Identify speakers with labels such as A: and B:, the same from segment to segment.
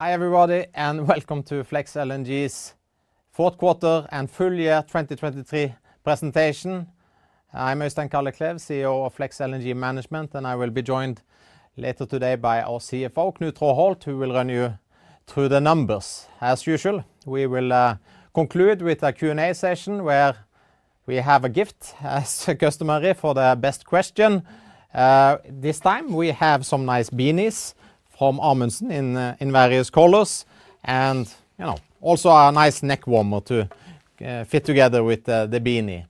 A: Hi, everybody, and welcome to Flex LNG's Fourth Quarter and Full Year 2023 presentation. I'm Øystein Kalleklev, CEO of Flex LNG Management, and I will be joined later today by our CFO, Knut Traaholt, who will run you through the numbers. As usual, we will conclude with a Q&A session where we have a gift as customary for the best question. This time we have some nice beanies from Amundsen in various colors and, you know, also a nice neck warmer to fit together with the beanie.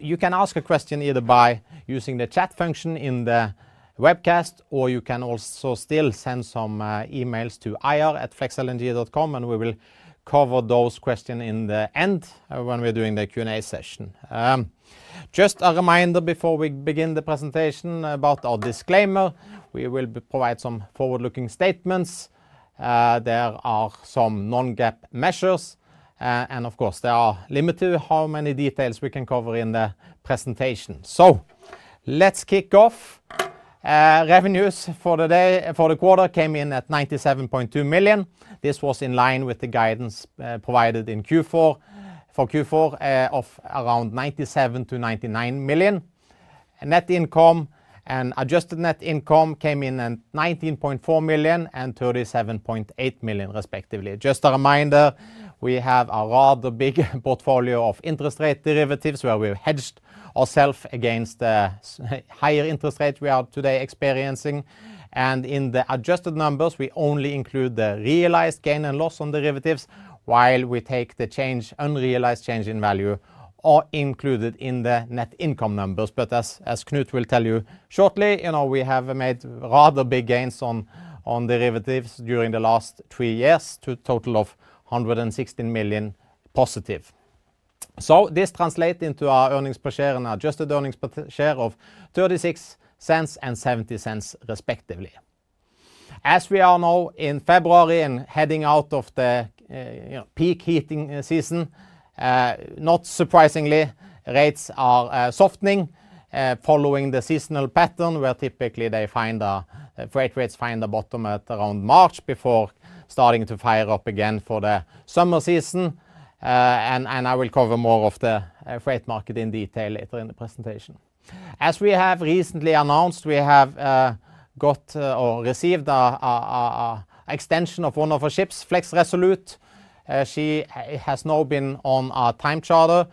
A: You can ask a question either by using the chat function in the webcast, or you can also still send some emails to ir@flexlng.com, and we will cover those questions in the end when we're doing the Q&A session. Just a reminder before we begin the presentation about our disclaimer, we will be provide some forward-looking statements. There are some non-GAAP measures. And of course, there are limited how many details we can cover in the presentation. Let's kick off. Revenues for the day—for the quarter came in at $97.2 million. This was in line with the guidance, provided in Q4, for Q4, of around $97,000,000-$99,000,000. Net income and adjusted net income came in at $19.4 million and $37.8 million, respectively. Just a reminder, we have a rather big portfolio of interest rate derivatives, where we hedged ourselves against the higher interest rate we are today experiencing, and in the adjusted numbers, we only include the realized gain and loss on derivatives while the unrealized change in value is included in the net income numbers. But as Knut will tell you shortly, you know, we have made rather big gains on derivatives during the last three years to a total of $116,000,000 positive. So this translates into our earnings per share and adjusted earnings per share of $0.36 and $0.70, respectively. As we are now in February and heading out of the, you know, peak heating season, not surprisingly, rates are softening, following the seasonal pattern, where typically the freight rates find a bottom at around March before starting to fire up again for the summer season. And I will cover more of the freight market in detail later in the presentation. As we have recently announced, we have got or received a extension of one of our ships, Flex Resolute. She has now been on a time charter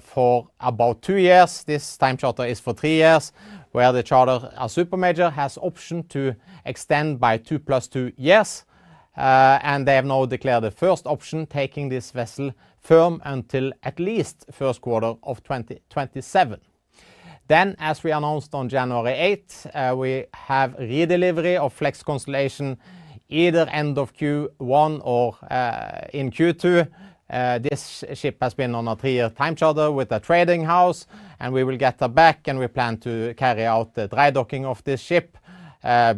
A: for about two years. This time charter is for three years, where the charter, a super major, has option to extend by two plus two years. And they have now declared the first option, taking this vessel firm until at least first quarter of 2027. Then, as we announced on January 8, we have re-delivery of Flex Constellation either end of Q1 or in Q2. This ship has been on a three-year time charter with a trading house, and we will get her back, and we plan to carry out the dry docking of this ship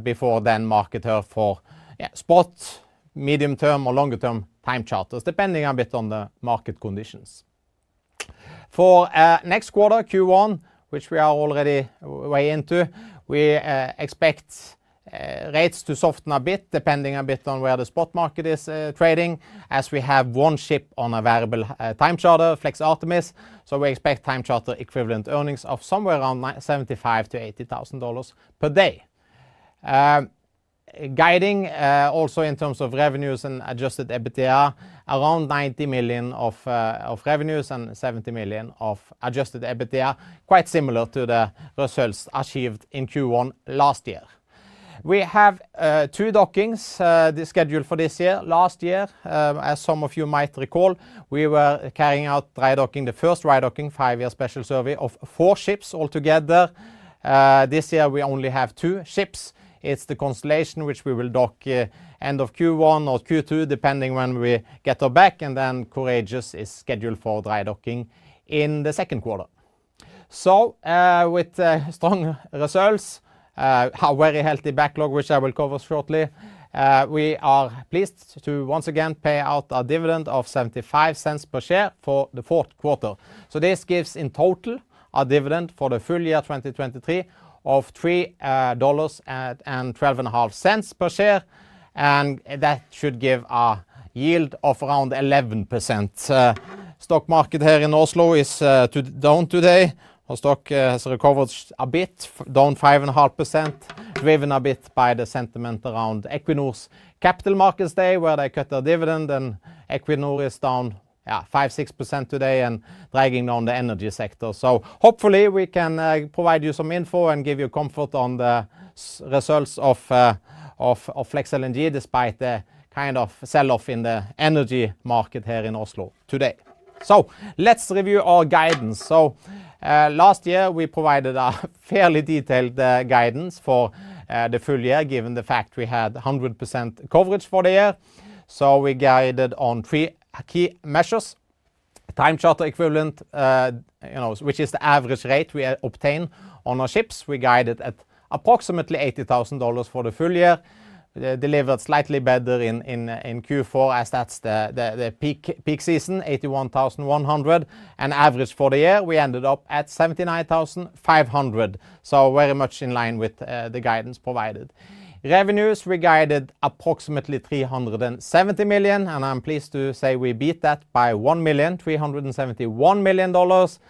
A: before then market her for, yeah, spot, medium-term, or longer-term time charters, depending a bit on the market conditions. For next quarter, Q1, which we are already way into, we expect rates to soften a bit, depending a bit on where the spot market is trading, as we have one ship on a variable time charter, Flex Artemis. So we expect time charter equivalent earnings of somewhere around $75,000-$80,000 per day. Guiding, also in terms of revenues and adjusted EBITDA, around $90,000,000 of revenues and $70,000,000 of adjusted EBITDA, quite similar to the results achieved in Q1 last year. We have two dockings scheduled for this year. Last year, as some of you might recall, we were carrying out dry docking, the first dry docking, five-year special survey of four ships altogether. This year we only have two ships. It's the Constellation, which we will dock end of Q1 or Q2, depending when we get her back, and then Courageous is scheduled for dry docking in the second quarter. So, with strong results, a very healthy backlog, which I will cover shortly, we are pleased to once again pay out a dividend of $0.75 per share for the fourth quarter. So this gives, in total, a dividend for the full year 2023 of $3.125 per share, and that should give a yield of around 11%. The stock market here in Oslo is down today. Our stock has recovered a bit, down 5.5%, driven a bit by the sentiment around Equinor's Capital Markets Day, where they cut their dividend, and Equinor is down, yeah, 5-6% today and dragging down the energy sector. So hopefully, we can provide you some info and give you comfort on the results of FLEX LNG, despite the kind of sell-off in the energy market here in Oslo today. So, let's review our guidance. Last year, we provided a fairly detailed guidance for the full year, given the fact we had 100% coverage for the year. So we guided on three key measures. A time charter equivalent, you know, which is the average rate we obtain on our ships. We guided at approximately $80,000 for the full year. Delivered slightly better in Q4 as that's the peak season, $81,100. And average for the year, we ended up at $79,500. So very much in line with the guidance provided. Revenues, we guided approximately $370,000,000, and I'm pleased to say we beat that by $1,000,000, $371,000,000.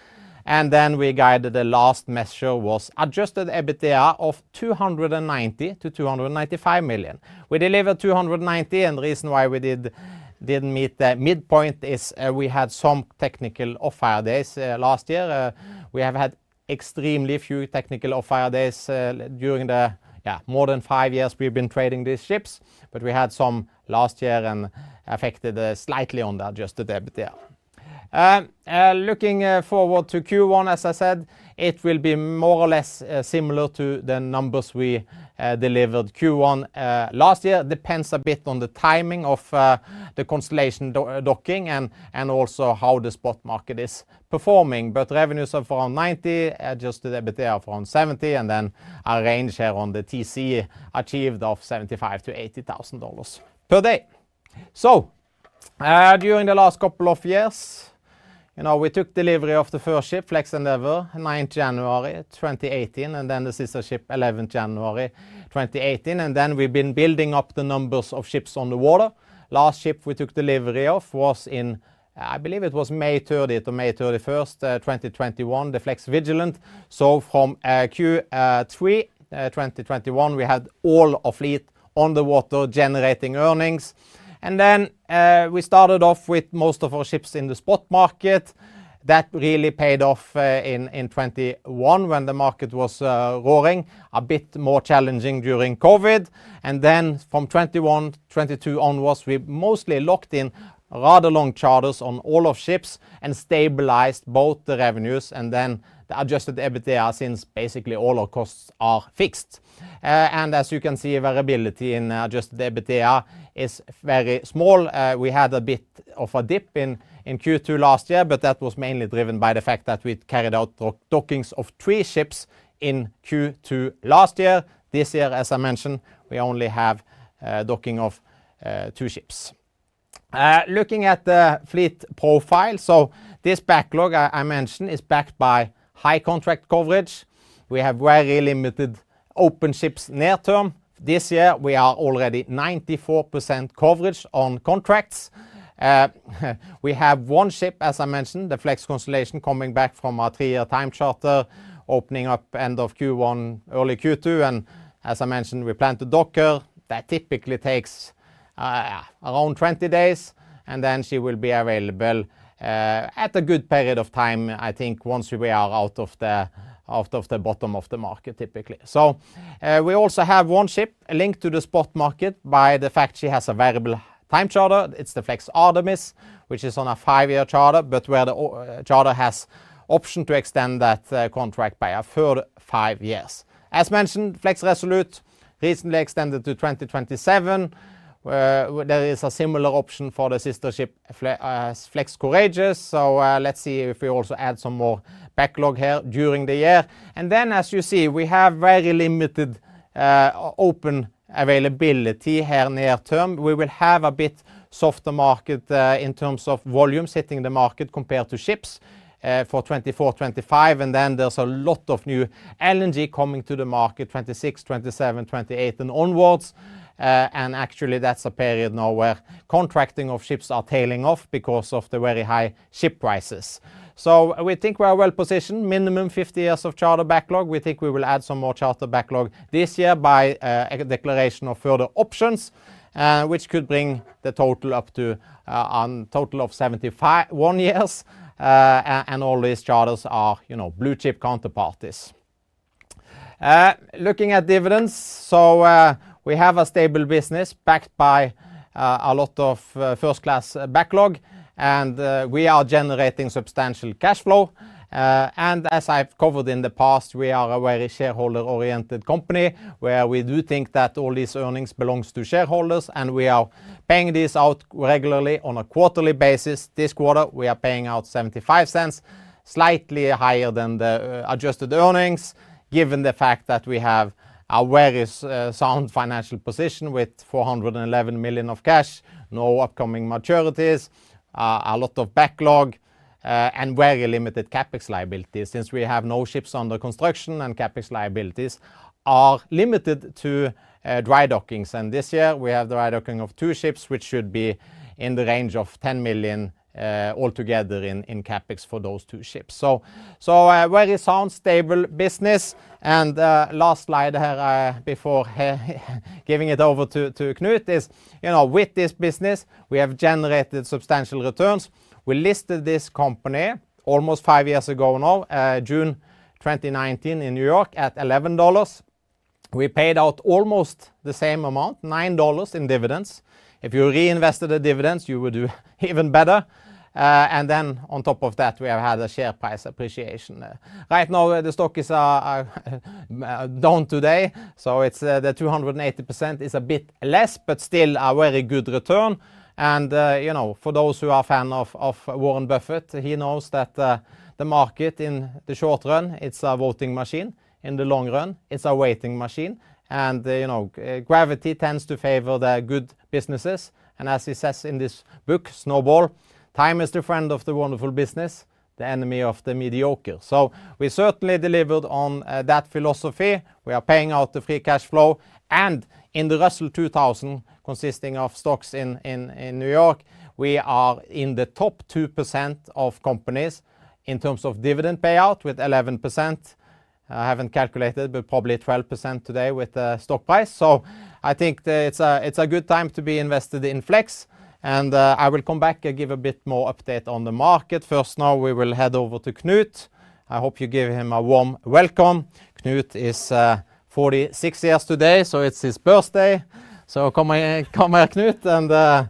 A: And then we guided the last measure was Adjusted EBITDA of $290,000,000-$295,000,000. We delivered $290,000,000, and the reason why we didn't meet the midpoint is, we had some technical off-hire days last year. We have had extremely few technical off-hire days during more than 5 years we've been trading these ships. But we had some last year and affected slightly on the Adjusted EBITDA. Looking forward to Q1, as I said, it will be more or less similar to the numbers we delivered Q1 last year. Depends a bit on the timing of the Constellation docking and also how the spot market is performing. But revenues are $490, adjusted EBITDA of $170, and then a range here on the TC achieved of $75,000-$80,000 per day. So, during the last couple of years, you know, we took delivery of the first ship, Flex Endeavour, 9thJanuary 2018, and then the sister ship, 11th January 2018. And then we've been building up the numbers of ships on the water. Last ship we took delivery of was in, I believe it was May 13th or May 31st, 2021, the Flex Vigilant. So from Q3 2021, we had all our fleet on the water generating earnings. And then we started off with most of our ships in the spot market. That really paid off in 2021 when the market was roaring. A bit more challenging during COVID. Then from 2021, 2022 onwards, we mostly locked in rather long charters on all our ships and stabilized both the revenues and then the Adjusted EBITDA, since basically all our costs are fixed. As you can see, variability in Adjusted EBITDA is very small. We had a bit of a dip in Q2 last year, but that was mainly driven by the fact that we carried out dry dockings of 3 ships in Q2 last year. This year, as I mentioned, we only have docking of 2 ships. Looking at the fleet profile. So this backlog I mentioned is backed by high contract coverage. We have very limited open ships near term. This year, we are already 94% coverage on contracts. We have one ship, as I mentioned, the Flex Constellation, coming back from a three-year time charter, opening up end of Q1, early Q2. And as I mentioned, we plan to dock her. That typically takes around 20 days, and then she will be available at a good period of time, I think once we are out of the bottom of the market, typically. So, we also have one ship linked to the spot market by the fact she has a variable time charter. It's the Flex Artemis, which is on a five-year charter, but where the charter has option to extend that contract by a further five years. As mentioned, Flex Resolute recently extended to 2027, where there is a similar option for the sister ship, Flex Courageous. So, let's see if we also add some more backlog here during the year. And then, as you see, we have very limited open availability here near term. We will have a bit softer market in terms of volume hitting the market compared to ships for 2024, 2025. And then there's a lot of new LNG coming to the market, 2026, 2027, 2028 and onwards. And actually, that's a period now where contracting of ships are tailing off because of the very high ship prices. So we think we are well positioned, minimum 50 years of charter backlog. We think we will add some more charter backlog this year by a declaration of further options, which could bring the total up to a total of 71 years. And all these charters are, you know, blue-chip counterparties. Looking at dividends, so we have a stable business backed by a lot of first-class backlog, and we are generating substantial cash flow. And as I've covered in the past, we are a very shareholder-oriented company, where we do think that all these earnings belongs to shareholders, and we are paying this out regularly on a quarterly basis. This quarter, we are paying out $0.75, slightly higher than the adjusted earnings, given the fact that we have a very sound financial position with $411,000,000 of cash, no upcoming maturities, a lot of backlog, and very limited CapEx liability, since we have no ships under construction, and CapEx liabilities are limited to dry dockings. And this year, we have the dry docking of 2 ships, which should be in the range of $10,000,000 altogether in CapEx for those 2 ships. So a very sound, stable business. And last slide here before giving it over to Knut, is you know, with this business, we have generated substantial returns. We listed this company almost 5 years ago now, June 2019, in New York at $11. We paid out almost the same amount, $9 in dividends. If you reinvested the dividends, you would do even better. And then on top of that, we have had a share price appreciation. Right now, the stock is down today, so it's the 280% is a bit less, but still a very good return. And, you know, for those who are fan of Warren Buffett, he knows that the market in the short run, it's a voting machine. In the long run, it's a waiting machine. And, you know, gravity tends to favor the good businesses, and as he says in this book, Snowball, "Time is the friend of the wonderful business, the enemy of the mediocre." So we certainly delivered on that philosophy. We are paying out the free cash flow, and in the Russell 2000, consisting of stocks in New York, we are in the top 2% of companies in terms of dividend payout with 11%. I haven't calculated, but probably 12% today with the stock price. So I think that it's a good time to be invested in Flex. And I will come back and give a bit more update on the market first. Now, we will head over to Knut. I hope you give him a warm welcome. Knut is 46 years today, so it's his birthday. So come here, come here, Knut, and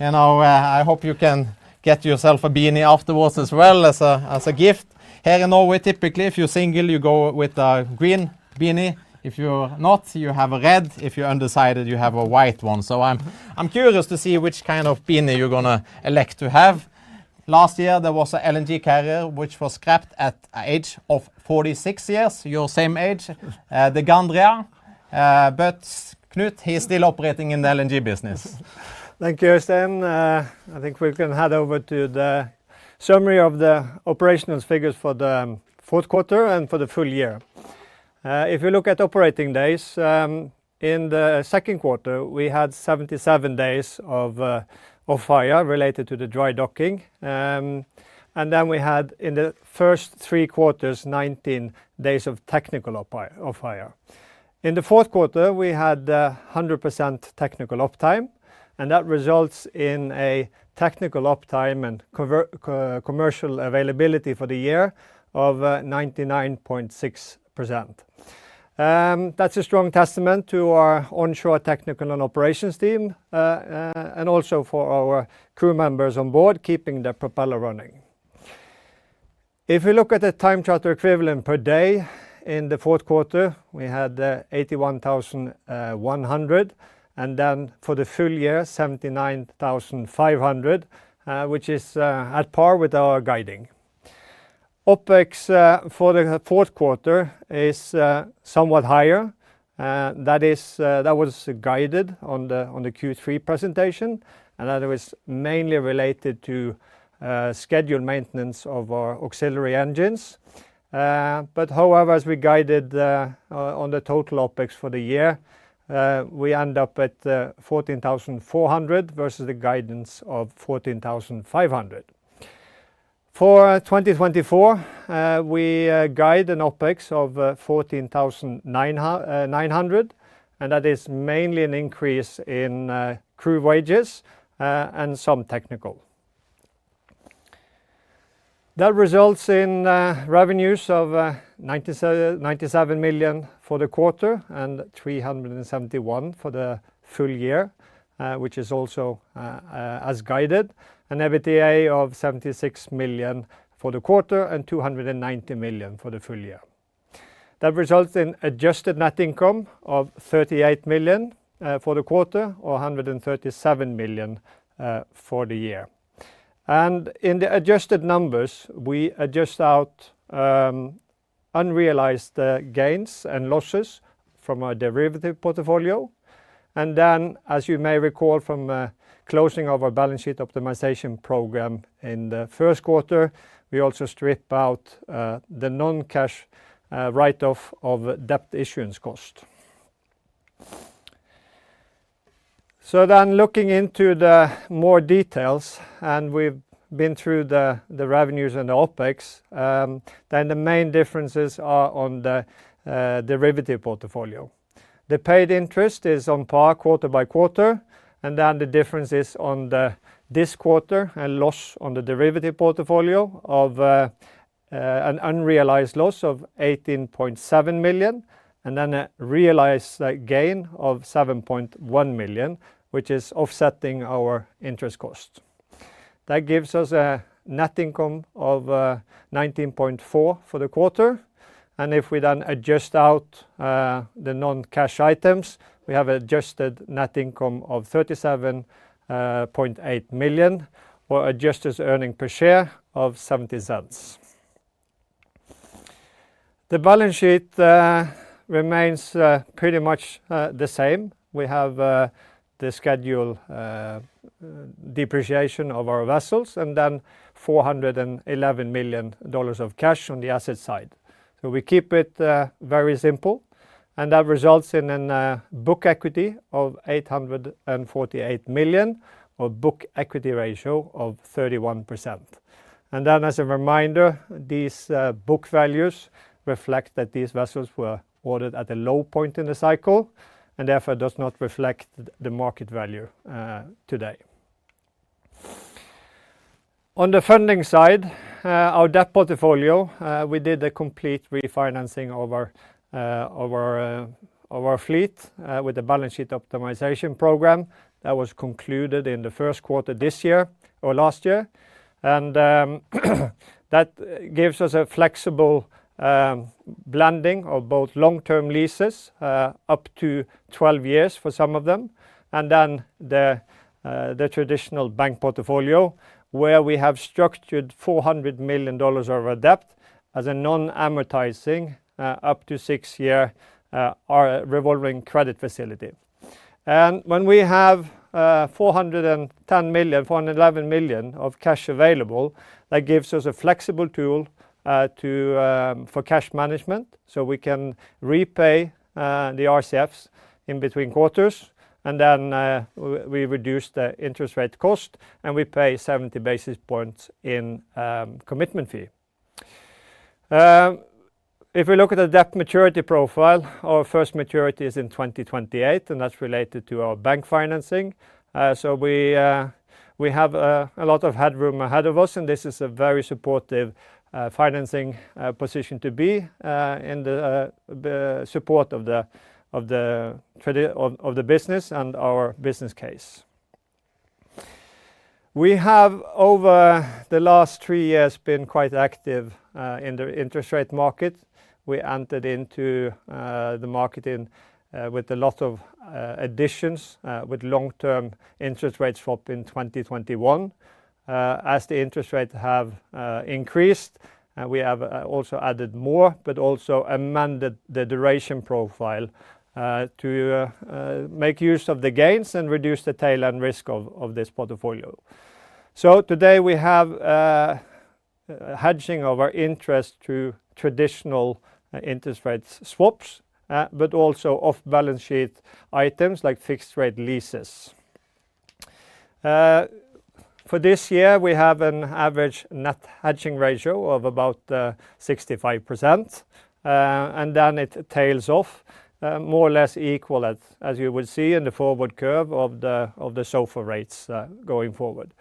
A: you know, I hope you can get yourself a beanie afterwards as well as a gift. Here, you know, we typically, if you're single, you go with a green beanie. If you're not, you have a red. If you're undecided, you have a white one. So I'm, I'm curious to see which kind of beanie you're gonna elect to have. Last year, there was an LNG carrier, which was scrapped at the age of 46 years, your same age, the Gandria. But Knut, he's still operating in the LNG business.
B: Thank you, Øystein. I think we can head over to the summary of the operational figures for the fourth quarter and for the full year. If you look at operating days, in the second quarter, we had 77 days of off-hire related to the dry docking. And then we had, in the first three quarters, 19 days of technical off-hire. In the fourth quarter, we had 100% technical uptime, and that results in a technical uptime and commercial availability for the year of 99.6%. That's a strong testament to our onshore technical and operations team, and also for our crew members on board, keeping the propeller running. If we look at the time charter equivalent per day, in the fourth quarter, we had $81,100, and then for the full year, $79,500, which is at par with our guidance. OpEx for the fourth quarter is somewhat higher. That was guided on the Q3 presentation, and that was mainly related to scheduled maintenance of our auxiliary engines. But however, as we guided, on the total OpEx for the year, we end up at $14,400 versus the guidance of $14,500. For 2024, we guide an OpEx of $14,900, and that is mainly an increase in crew wages and some technical. That results in revenues of $97,000,000 for the quarter and $371,000,000 for the full year, which is also, as guided, an EBITDA of $76,000,000 for the quarter and $290,000,000 for the full year. That results in adjusted net income of $38,000,000 for the quarter, or $137,000,000 for the year. And in the adjusted numbers, we adjust out unrealized gains and losses from our derivative portfolio. And then, as you may recall from closing of our balance sheet optimization program in the first quarter, we also strip out the non-cash write-off of debt issuance cost. So then looking into the more details, and we've been through the revenues and the OpEx, then the main differences are on the derivative portfolio. The paid interest is on par quarter by quarter, and then the difference is in this quarter, a loss on the derivative portfolio of an unrealized loss of $18.7 million, and then a realized gain of $7.1 million, which is offsetting our interest cost. That gives us a net income of $19.4 million for the quarter. And if we then adjust out the non-cash items, we have adjusted net income of $37.8 million, or adjusted earning per share of $0.70. The balance sheet remains pretty much the same. We have the scheduled depreciation of our vessels, and then $411,000,000 of cash on the asset side. So we keep it very simple, and that results in a book equity of $848,000,000, or book equity ratio of 31%. And then, as a reminder, these book values reflect that these vessels were ordered at a low point in the cycle and therefore does not reflect the market value today. On the funding side, our debt portfolio, we did a complete refinancing of our fleet with the balance sheet optimization program. That was concluded in the first quarter this year or last year. That gives us a flexible blending of both long-term leases up to 12 years for some of them, and then the traditional bank portfolio, where we have structured $400,000,000 of our debt as a non-amortizing up to six-year our revolving credit facility. And when we have $410,000,000, $411,000,000 of cash available, that gives us a flexible tool for cash management, so we can repay the RCFs in between quarters, and then we reduce the interest rate cost, and we pay 70 basis points in commitment fee. If we look at the debt maturity profile, our first maturity is in 2028, and that's related to our bank financing. So we have a lot of headroom ahead of us, and this is a very supportive financing position to be in the support of the business and our business case. We have, over the last three years, been quite active in the interest rate market. We entered into the market with a lot of additions with long-term interest rate swaps in 2021. As the interest rates have increased, we have also added more, but also amended the duration profile to make use of the gains and reduce the tail and risk of this portfolio. So today we have hedging of our interest through traditional interest rate swaps, but also off-balance sheet items like fixed rate leases. For this year, we have an average net hedging ratio of about 65%, and then it tails off more or less equal as you will see in the forward curve of the SOFR rates going forward.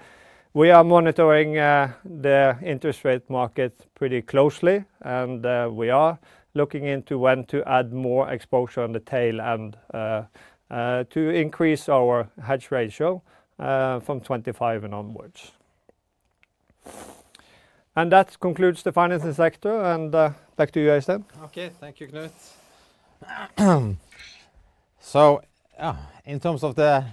B: We are monitoring the interest rate market pretty closely, and we are looking into when to add more exposure on the tail and to increase our hedge ratio from 25 and onwards. That concludes the financing sector, and back to you, Øystein.
A: Okay. Thank you, Knut. So, in terms of the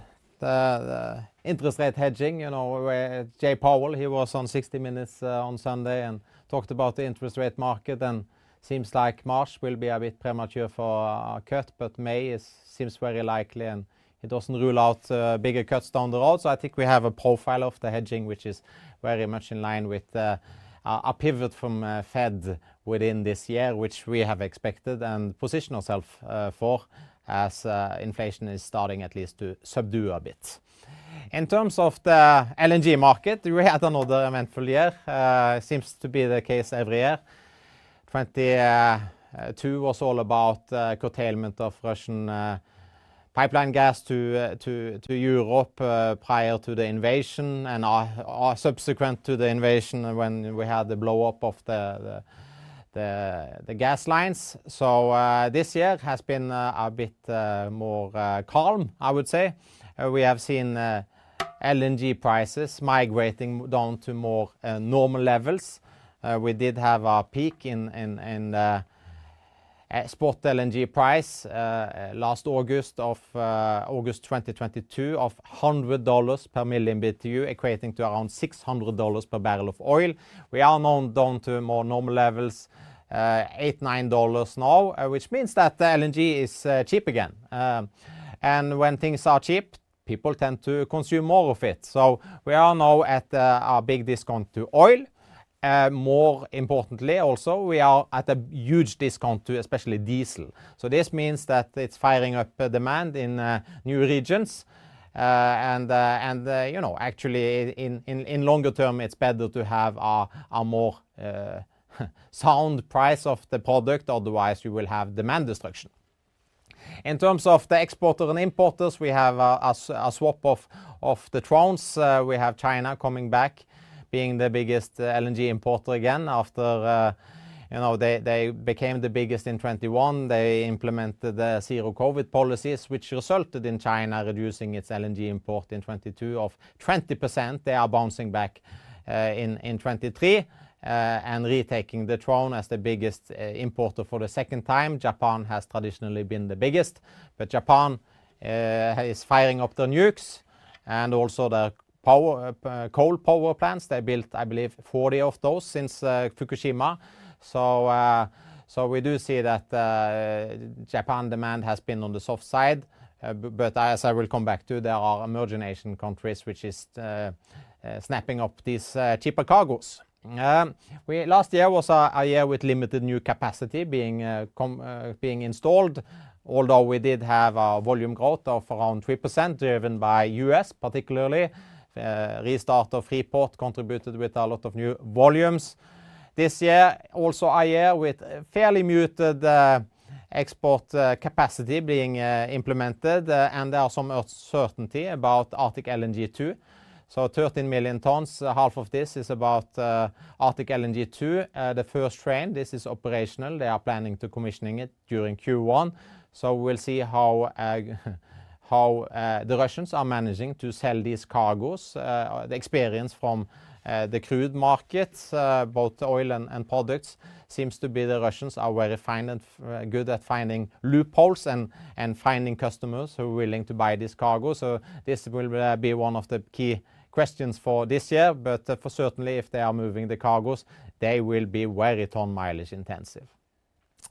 A: interest rate hedging, you know, where Jay Powell, he was on 60 Minutes on Sunday and talked about the interest rate market, and seems like March will be a bit premature for a cut, but May seems very likely, and he doesn't rule out bigger cuts down the road. So I think we have a profile of the hedging, which is very much in line with a pivot from Fed within this year, which we have expected and positioned ourself for as inflation is starting at least to subdue a bit. In terms of the LNG market, we had another eventful year. It seems to be the case every year. 2022 was all about curtailment of Russian pipeline gas to Europe prior to the invasion and subsequent to the invasion, when we had the blow-up of the gas lines. So, this year has been a bit more calm, I would say. We have seen LNG prices migrating down to more normal levels. We did have a peak in spot LNG price last August of August 2022, of $100 per million BTU, equating to around $600 per barrel of oil. We are now down to more normal levels, $8-$9 now, which means that the LNG is cheap again. And when things are cheap, people tend to consume more of it. So we are now at a big discount to oil. More importantly, also, we are at a huge discount to especially diesel. So this means that it's firing up demand in new regions. And you know, actually in longer term, it's better to have a more sound price of the product, otherwise we will have demand destruction. In terms of the exporters and importers, we have a swap of the thrones. We have China coming back, being the biggest LNG importer again, after you know, they became the biggest in 2021. They implemented the zero-COVID policies, which resulted in China reducing its LNG import in 2022 of 20%. They are bouncing back in 2023 and retaking the throne as the biggest importer for the second time. Japan has traditionally been the biggest, but Japan is firing up the nukes and also the power, coal power plants. They built, I believe, 40 of those since Fukushima. So we do see that Japan demand has been on the soft side, but as I will come back to, there are emerging Asian countries, which is snapping up these cheaper cargos. Last year was a year with limited new capacity being installed, although we did have a volume growth of around 3%, driven by U.S., particularly, restart of Freeport contributed with a lot of new volumes. This year, also a year with fairly muted export capacity being implemented, and there are some certainty about Arctic LNG 2. So 13,000,000 tons, half of this is about Arctic LNG 2. The first train, this is operational. They are planning to commission it during Q1, so we'll see how, how, the Russians are managing to sell these cargoes. The experience from, the crude markets, both oil and, and products, seems to be the Russians are very fine and, good at finding loopholes and, and finding customers who are willing to buy this cargo. So this will, be one of the key questions for this year, but for certainly if they are moving the cargoes, they will be very ton-mileage intensive.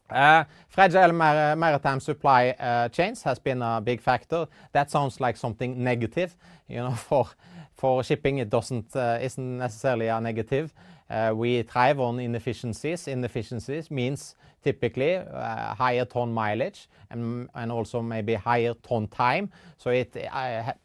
A: Fragile maritime supply chains has been a big factor. That sounds like something negative. You know, for, for shipping, it doesn't, isn't necessarily a negative. We thrive on inefficiencies. Inefficiencies means typically higher ton mileage and also maybe higher ton time. So it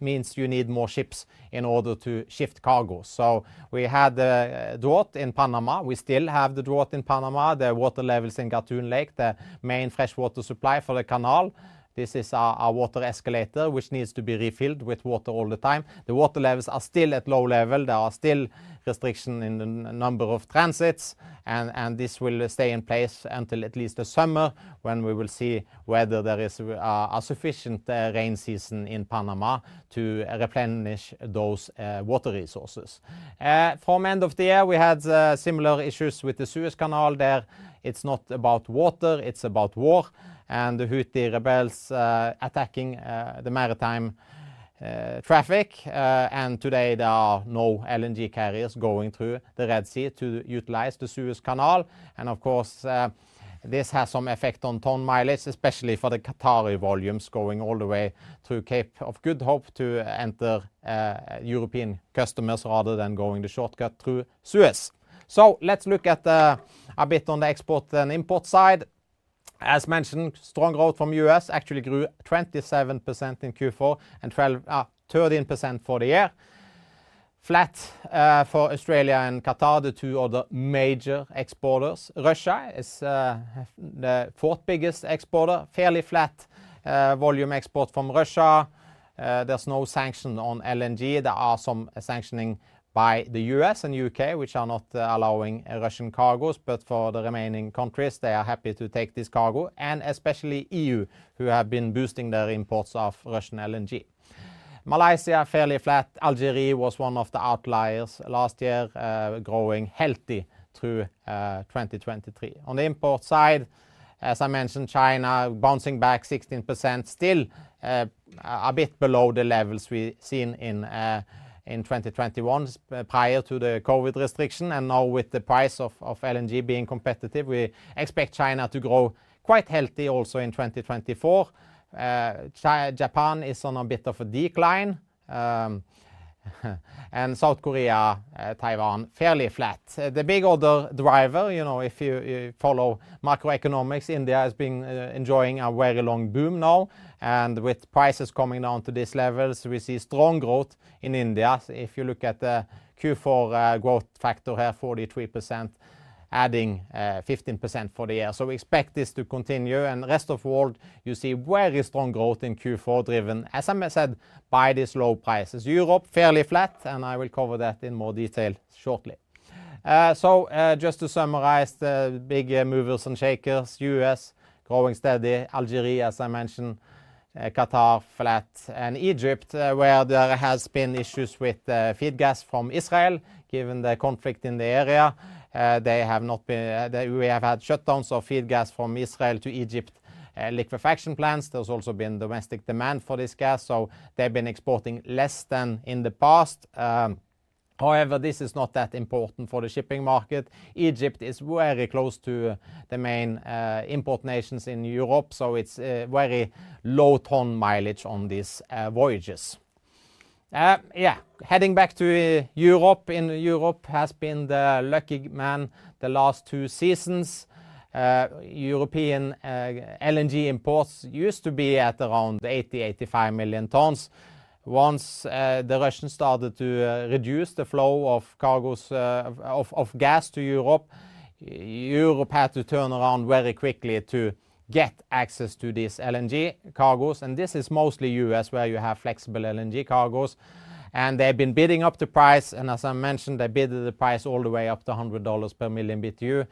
A: means you need more ships in order to ship cargo. So we had the drought in Panama. We still have the drought in Panama. The water levels in Gatun Lake, the main freshwater supply for the canal. This is a water escalator, which needs to be refilled with water all the time. The water levels are still at low level. There are still restrictions in the number of transits, and this will stay in place until at least the summer, when we will see whether there is a sufficient rain season in Panama to replenish those water resources. From end of the year, we had similar issues with the Suez Canal there. It's not about water, it's about war, and the Houthi rebels attacking the maritime traffic. Today there are no LNG carriers going through the Red Sea to utilize the Suez Canal. Of course, this has some effect on ton mileage, especially for the Qatari volumes going all the way through Cape of Good Hope to enter European customers, rather than going the shortcut through Suez. Let's look at a bit on the export and import side. As mentioned, strong growth from US actually grew 27% in Q4 and 13% for the year. Flat for Australia and Qatar, the two other major exporters. Russia is the fourth biggest exporter. Fairly flat volume export from Russia. There's no sanction on LNG. There are some sanctioning by the US and UK, which are not allowing Russian cargoes, but for the remaining countries, they are happy to take this cargo, and especially EU, who have been boosting their imports of Russian LNG. Malaysia, fairly flat. Algeria was one of the outliers last year, growing healthy through 2023. On the import side, as I mentioned, China bouncing back 16%, still, a bit below the levels we've seen in 2021, prior to the COVID restriction, and now with the price of LNG being competitive, we expect China to grow quite healthy also in 2024. Japan is on a bit of a decline, and South Korea, Taiwan, fairly flat. The big other driver, you know, if you follow macroeconomics, India has been enjoying a very long boom now, and with prices coming down to these levels, we see strong growth in India. If you look at the Q4 growth factor here, 43%, adding 15% for the year. So we expect this to continue, and the rest of world, you see very strong growth in Q4, driven, as I said, by these low prices. Europe, fairly flat, and I will cover that in more detail shortly. So, just to summarize, the big movers and shakers, US growing steady, Algeria, as I mentioned, Qatar flat, and Egypt, where there has been issues with feed gas from Israel. Given the conflict in the area, they have not been, we have had shutdowns of feed gas from Israel to Egypt, liquefaction plants. There's also been domestic demand for this gas, so they've been exporting less than in the past. However, this is not that important for the shipping market. Egypt is very close to the main, import nations in Europe, so it's a very low ton mileage on these, voyages. Yeah, heading back to Europe. In Europe has been the lucky man the last two seasons. European LNG imports used to be at around 80,000,000-85,000,000 tons. Once the Russians started to reduce the flow of cargoes of gas to Europe, Europe had to turn around very quickly to get access to these LNG cargoes, and this is mostly U.S., where you have flexible LNG cargoes. And they've been bidding up the price, and as I mentioned, they bid the price all the way up to $100 per million BTU,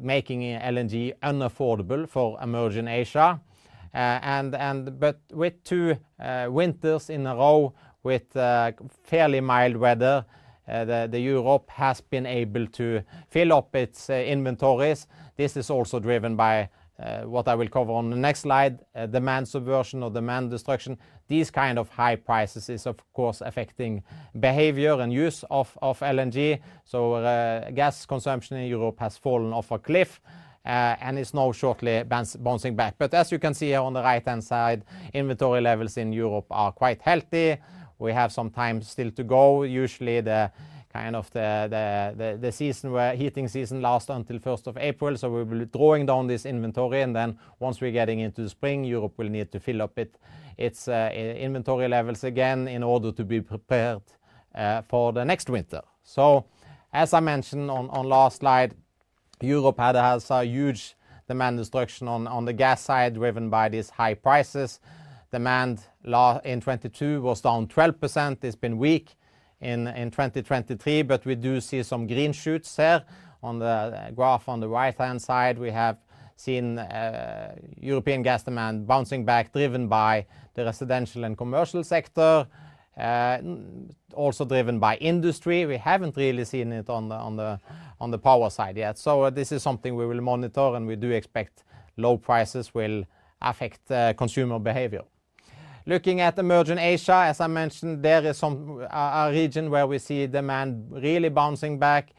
A: making LNG unaffordable for emerging Asia. But with two winters in a row with fairly mild weather, Europe has been able to fill up its inventories. This is also driven by what I will cover on the next slide, demand subversion or demand destruction. These kind of high prices is, of course, affecting behavior and use of LNG. So, gas consumption in Europe has fallen off a cliff, and it's now shortly bouncing back. But as you can see on the right-hand side, inventory levels in Europe are quite healthy. We have some time still to go. Usually, the kind of the season where heating season lasts until first of April, so we will be drawing down this inventory, and then once we're getting into the spring, Europe will need to fill up its inventory levels again in order to be prepared for the next winter. So, as I mentioned on last slide, Europe had also a huge demand destruction on the gas side, driven by these high prices. Demand low in 2022 was down 12%. It's been weak in 2023, but we do see some green shoots there. On the graph on the right-hand side, we have seen European gas demand bouncing back, driven by the residential and commercial sector, also driven by industry. We haven't really seen it on the power side yet. So this is something we will monitor, and we do expect low prices will affect the consumer behavior. Looking at emerging Asia, as I mentioned, there is a region where we see demand really bouncing back.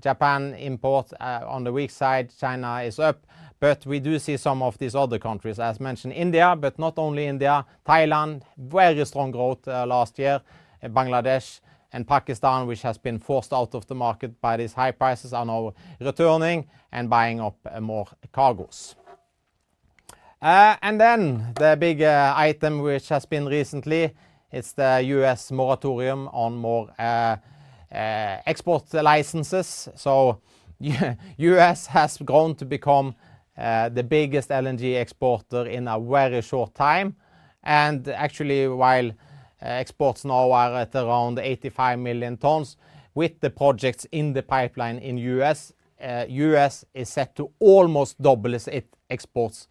A: Japan import on the weak side. China is up. But we do see some of these other countries, as mentioned, India, but not only India, Thailand, very strong growth last year, and Bangladesh and Pakistan, which has been forced out of the market by these high prices, are now returning and buying up more cargoes. And then the big item which has been recently, it's the US moratorium on more export licenses. So US has gone to become the biggest LNG exporter in a very short time. And actually, while exports now are at around 85,000,000 tons, with the projects in the pipeline in US, US is set to almost double as it exports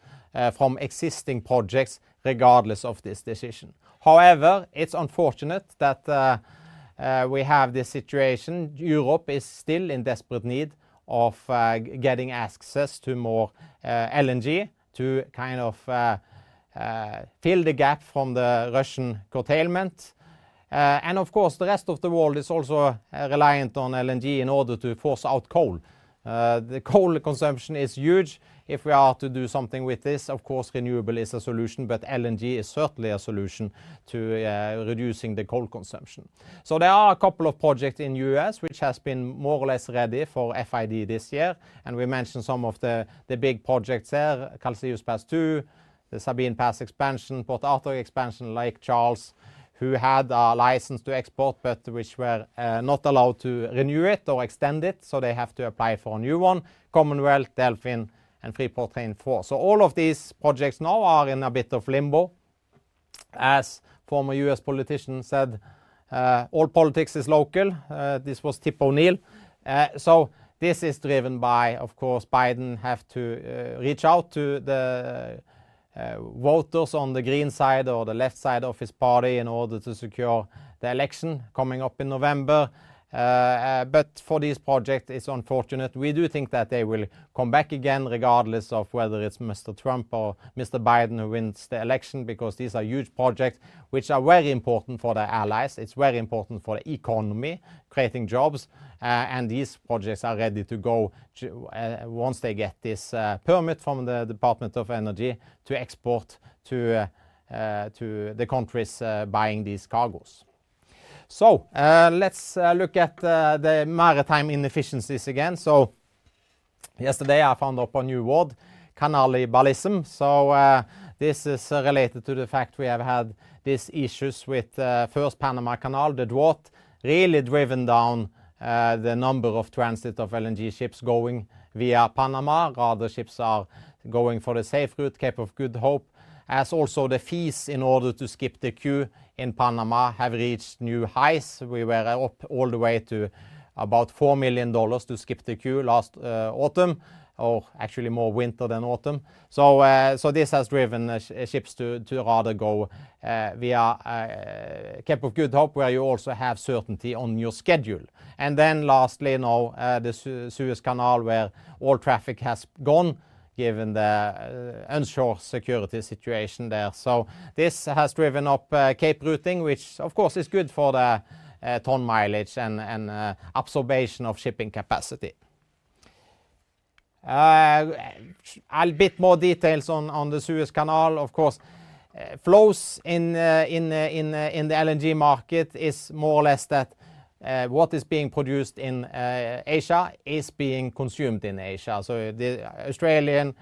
A: from existing projects regardless of this decision. However, it's unfortunate that we have this situation. Europe is still in desperate need of getting access to more LNG to kind of fill the gap from the Russian curtailment. And of course, the rest of the world is also reliant on LNG in order to force out coal. The coal consumption is huge. If we are to do something with this, of course, renewable is a solution, but LNG is certainly a solution to reducing the coal consumption. So there are a couple of projects in US which has been more or less ready for FID this year, and we mentioned some of the big projects there: Calcasieu Pass 2, the Sabine Pass expansion, Port Arthur expansion, Lake Charles, who had a license to export, but which were not allowed to renew it or extend it, so they have to apply for a new one, Commonwealth, Delfin, and Freeport Train 4. So all of these projects now are in a bit of limbo. As former U.S. politician said, "All politics is local." This was Tip O'Neill. So this is driven by, of course, Biden have to reach out to the voters on the green side or the left side of his party in order to secure the election coming up in November. But for this project, it's unfortunate. We do think that they will come back again, regardless of whether it's Mr. Trump or Mr. Biden who wins the election, because these are huge projects which are very important for the allies. It's very important for the economy, creating jobs, and these projects are ready to go to once they get this permit from the Department of Energy to export to the countries buying these cargoes. So let's look at the maritime inefficiencies again. So yesterday, I found up a new word, Canalibalism. So, this is related to the fact we have had these issues with, first Panama Canal. The drought really driven down, the number of transit of LNG ships going via Panama. Rather, ships are going for the safe route, Cape of Good Hope, as also the fees in order to skip the queue in Panama have reached new highs. We were up all the way to about $4,000,000 to skip the queue last, autumn, or actually more winter than autumn. So, this has driven the ships to rather go via Cape of Good Hope, where you also have certainty on your schedule. And then lastly, now, the Suez Canal, where all traffic has gone, given the unsure security situation there. So this has driven up Cape routing, which of course is good for the ton mileage and absorption of shipping capacity. A bit more details on the Suez Canal, of course. Flows in the LNG market is more or less that what is being produced in Asia is being consumed in Asia. So the Australian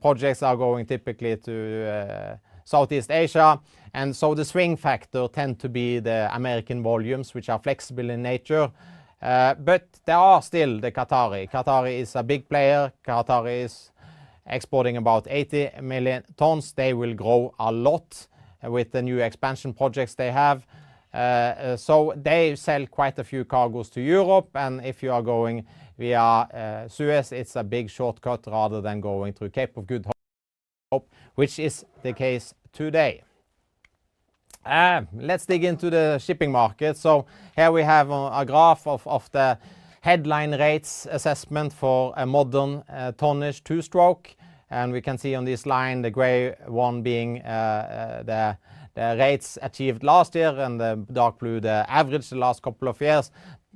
A: projects are going typically to Southeast Asia, and so the swing factor tend to be the American volumes, which are flexible in nature. But there are still the Qatari. Qatari is a big player. Qatari is exporting about 80,000,000 tons. They will grow a lot with the new expansion projects they have. So they sell quite a few cargoes to Europe, and if you are going via Suez, it's a big shortcut rather than going through Cape of Good Hope, which is the case today. Let's dig into the shipping market. So here we have a graph of the headline rates assessment for a modern tonnage two-stroke. And we can see on this line, the gray one being the rates achieved last year, and the dark blue, the average the last couple of years,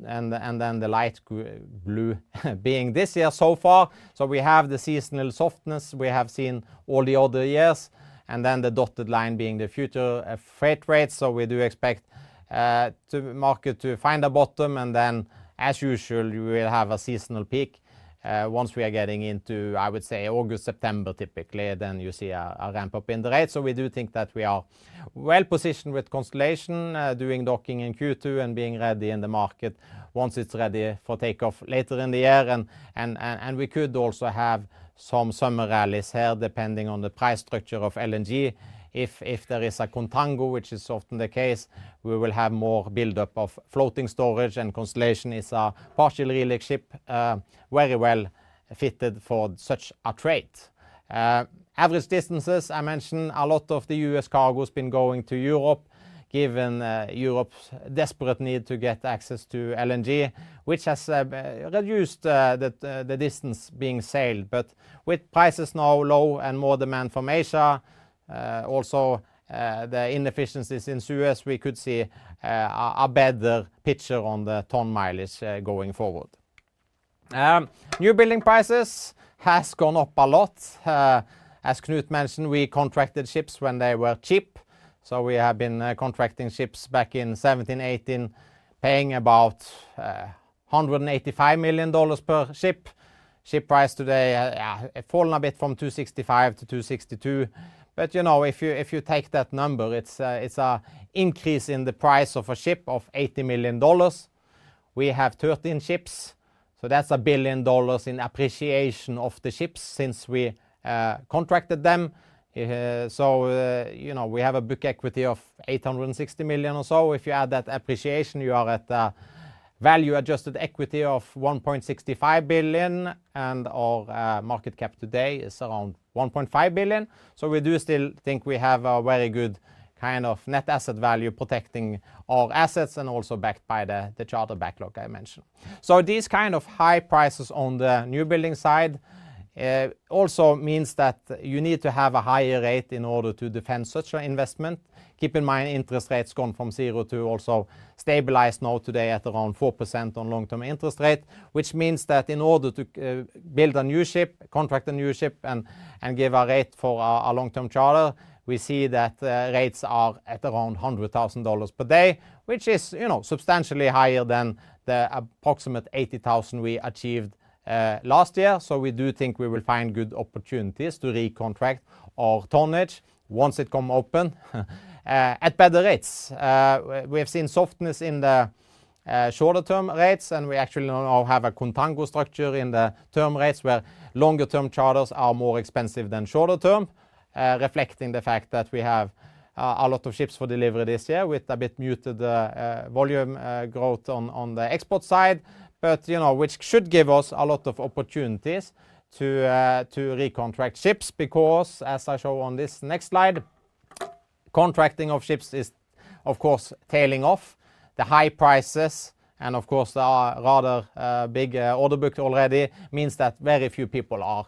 A: and then the light blue being this year so far. So we have the seasonal softness we have seen all the other years, and then the dotted line being the future freight rates. So we do expect the market to find a bottom, and then, as usual, we will have a seasonal peak once we are getting into, I would say, August, September, typically, then you see a ramp up in the rate. So we do think that we are well-positioned with Flex Constellation doing dry docking in Q2 and being ready in the market once it's ready for takeoff later in the year. And we could also have some summer rallies here, depending on the price structure of LNG. If there is a contango, which is often the case, we will have more buildup of floating storage, and Flex Constellation is a particular ship very well fitted for such a trade. Average distances, I mentioned a lot of the U.S. cargo has been going to Europe, given Europe's desperate need to get access to LNG, which has reduced the distance being sailed. But with prices now low and more demand from Asia, also the inefficiencies in Suez, we could see a better picture on the ton-mileage going forward. Newbuilding prices has gone up a lot. As Knut mentioned, we contracted ships when they were cheap, so we have been contracting ships back in 2017, 2018, paying about $185,000,000 per ship. Ship price today has fallen a bit from $265,000,000 to $262,000,000, but, you know, if you, if you take that number, it's an increase in the price of a ship of $80,000,000. We have 13 ships, so that's $1,000,000,000 in appreciation of the ships since we contracted them. So, you know, we have a book equity of $860,000,000 or so. If you add that appreciation, you are at a value-adjusted equity of $1.65 billion, and our market cap today is around $1.5 billion. So we do still think we have a very good kind of net asset value protecting our assets and also backed by the charter backlog I mentioned. So these kind of high prices on the new building side also means that you need to have a higher rate in order to defend such an investment. Keep in mind, interest rates gone from 0% to also stabilized now today at around 4% on long-term interest rate, which means that in order to, build a new ship, contract a new ship, and, and give a rate for a, a long-term charter, we see that, rates are at around $100,000 per day, which is, you know, substantially higher than the approximate $80,000 we achieved, last year. So we do think we will find good opportunities to recontract our tonnage once it come open, at better rates. We have seen softness in the shorter-term rates, and we actually now have a contango structure in the term rates, where longer-term charters are more expensive than shorter term, reflecting the fact that we have a lot of ships for delivery this year with a bit muted volume growth on the export side. But, you know, which should give us a lot of opportunities to recontract ships, because as I show on this next slide, contracting of ships is, of course, tailing off. The high prices, and of course, there are rather big order book already, means that very few people are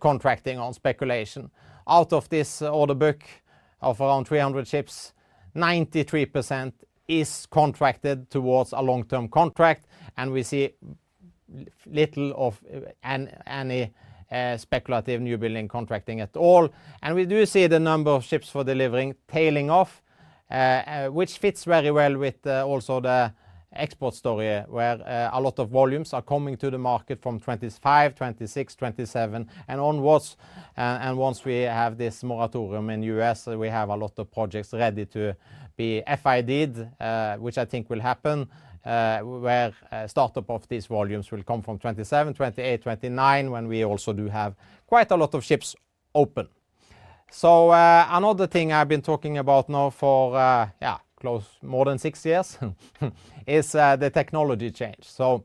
A: contracting on speculation. Out of this order book of around 300 ships, 93% is contracted towards a long-term contract, and we see little of any speculative new building contracting at all. We do see the number of ships for delivering tailing off, which fits very well with also the export story, where a lot of volumes are coming to the market from 2025, 2026, 2027, and onwards. And once we have this moratorium in US, we have a lot of projects ready to be FID'd, which I think will happen, where startup of these volumes will come from 2027, 2028, 2029, when we also do have quite a lot of ships open. So another thing I've been talking about now for close more than six years is the technology change. So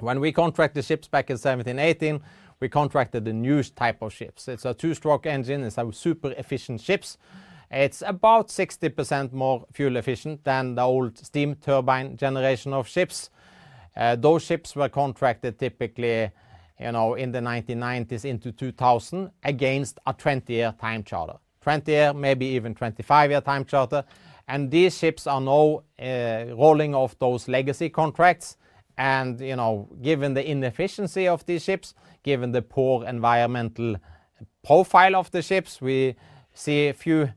A: when we contract the ships back in 2017, 2018, we contracted the newest type of ships. It's a two-stroke engine. It's a super efficient ships. It's about 60% more fuel efficient than the old steam turbine generation of ships. Those ships were contracted typically, you know, in the 1990s into 2000, against a 20-year time charter. 20-year, maybe even 25-year time charter. And these ships are now rolling off those legacy contracts. And, you know, given the inefficiency of these ships, given the poor environmental profile of the ships, we see a few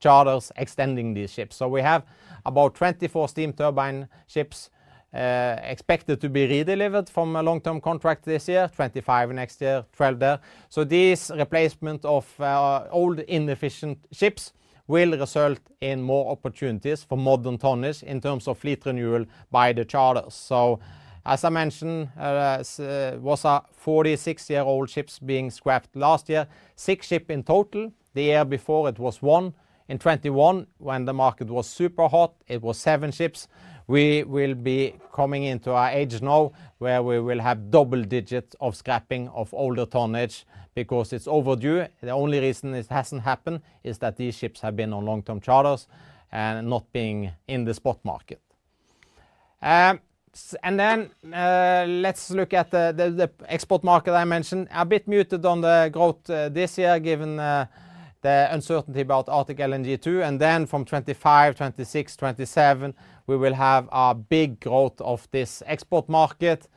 A: charters extending these ships. So we have about 24 steam turbine ships expected to be redelivered from a long-term contract this year, 25 next year, 12 there. So this replacement of old, inefficient ships will result in more opportunities for modern tonnage in terms of fleet renewal by the charters. So, as I mentioned, was a 46-year-old ship being scrapped last year, six ships in total. The year before, it was one. In 2021, when the market was super hot, it was 7 ships. We will be coming into our age now, where we will have double digits of scrapping of older tonnage because it's overdue. The only reason this hasn't happened is that these ships have been on long-term charters and not being in the spot market. And then, let's look at the export market I mentioned. A bit muted on the growth, this year, given the uncertainty about Arctic LNG 2, and then from 2025, 2026, 2027, we will have a big growth of this export market.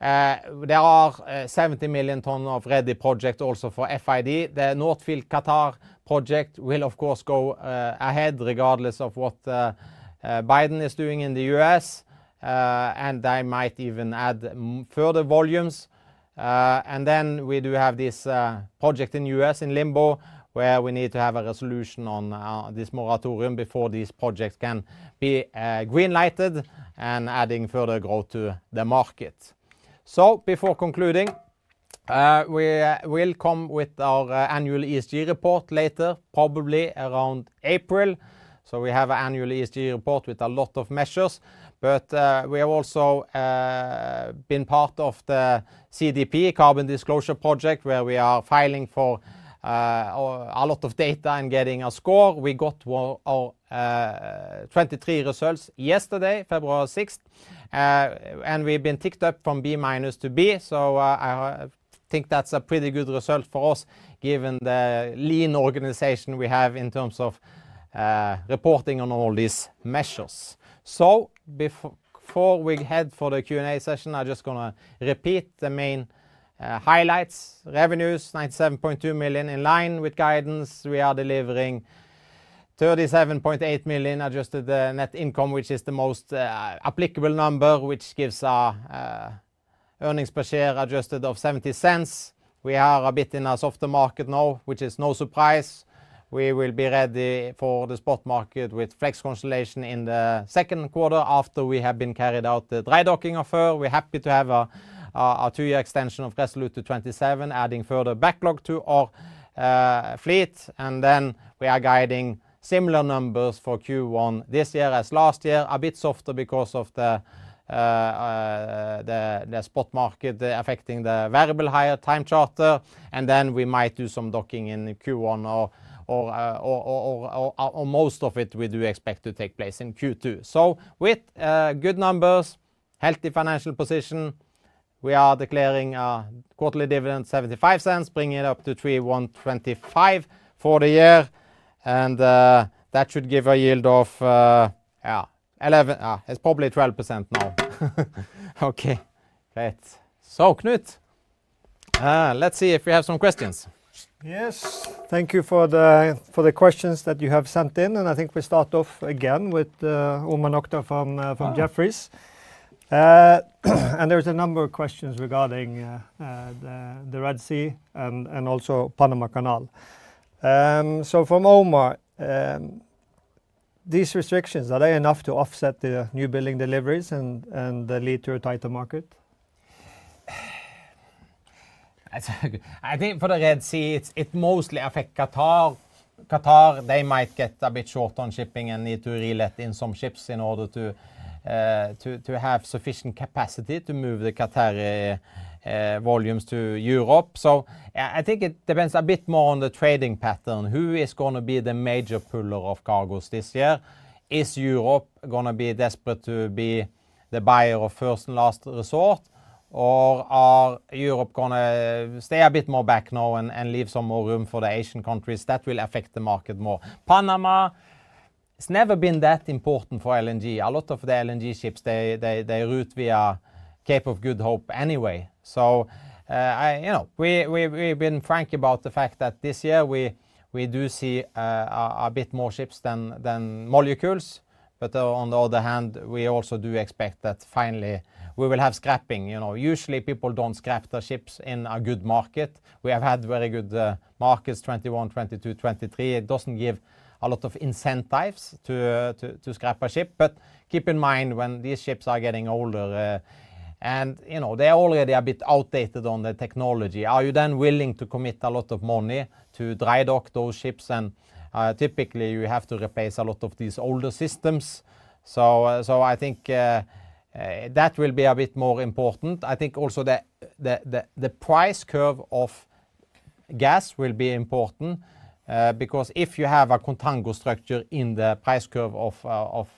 A: There are 70,000,000 tons of ready projects also for FID. The North Field Qatar project will, of course, go ahead, regardless of what Biden is doing in the U.S., and they might even add further volumes. And then we do have this project in U.S. in limbo, where we need to have a resolution on this moratorium before these projects can be green-lighted and adding further growth to the market. So we will come with our annual ESG report later, probably around April. So we have an annual ESG report with a lot of measures, but we have also been part of the CDP, Carbon Disclosure Project, where we are filing for a lot of data and getting a score. We got our 2023 results yesterday, February 6th, and we've been ticked up from B minus to B. So I think that's a pretty good result for us, given the lean organization we have in terms of reporting on all these measures. So before we head for the Q&A session, I'm just gonna repeat the main highlights. Revenues, $97.2 million, in line with guidance. We are delivering $37.8 million adjusted net income, which is the most applicable number, which gives our earnings per share adjusted of $0.70. We are a bit in a softer market now, which is no surprise. We will be ready for the spot market with Flex Constellation in the second quarter, after we have carried out the dry docking in Q4. We're happy to have a two-year extension of Flex Resolute to 2027, adding further backlog to our fleet. And then we are guiding similar numbers for Q1 this year as last year, a bit softer because of the spot market affecting the variable rate time charter. Then we might do some docking in Q1 or most of it we do expect to take place in Q2. So with good numbers, healthy financial position, we are declaring a quarterly dividend of $0.75, bringing it up to $3.125 for the year. And that should give a yield of, yeah, 11%, it's probably 12% now. Okay, great. So, Knut, let's see if we have some questions.
B: Yes, thank you for the questions that you have sent in, and I think we start off again with Omar Nokta from Jefferies. And there's a number of questions regarding the Red Sea and also Panama Canal. So from Omar, these restrictions, are they enough to offset the new building deliveries and lead to a tighter market?
A: I think for the Red Sea, it's, it mostly affect Qatar. Qatar, they might get a bit short on shipping and need to relet in some ships in order to, to have sufficient capacity to move the Qatari volumes to Europe. So I, I think it depends a bit more on the trading pattern. Who is gonna be the major puller of cargos this year? Is Europe gonna be desperate to be the buyer of first and last resort, or are Europe gonna stay a bit more back now and, and leave some more room for the Asian countries? That will affect the market more. Panama, it's never been that important for LNG. A lot of the LNG ships, they route via Cape of Good Hope anyway. So, you know, we've been frank about the fact that this year we do see a bit more ships than molecules. But on the other hand, we also do expect that finally we will have scrapping. You know, usually people don't scrap the ships in a good market. We have had very good markets, 2021, 2022, 2023. It doesn't give a lot of incentives to scrap a ship. But keep in mind, when these ships are getting older, and you know, they are already a bit outdated on the technology, are you then willing to commit a lot of money to dry dock those ships? And typically, you have to replace a lot of these older systems. So I think that will be a bit more important. I think also the price curve of gas will be important, because if you have a contango structure in the price curve of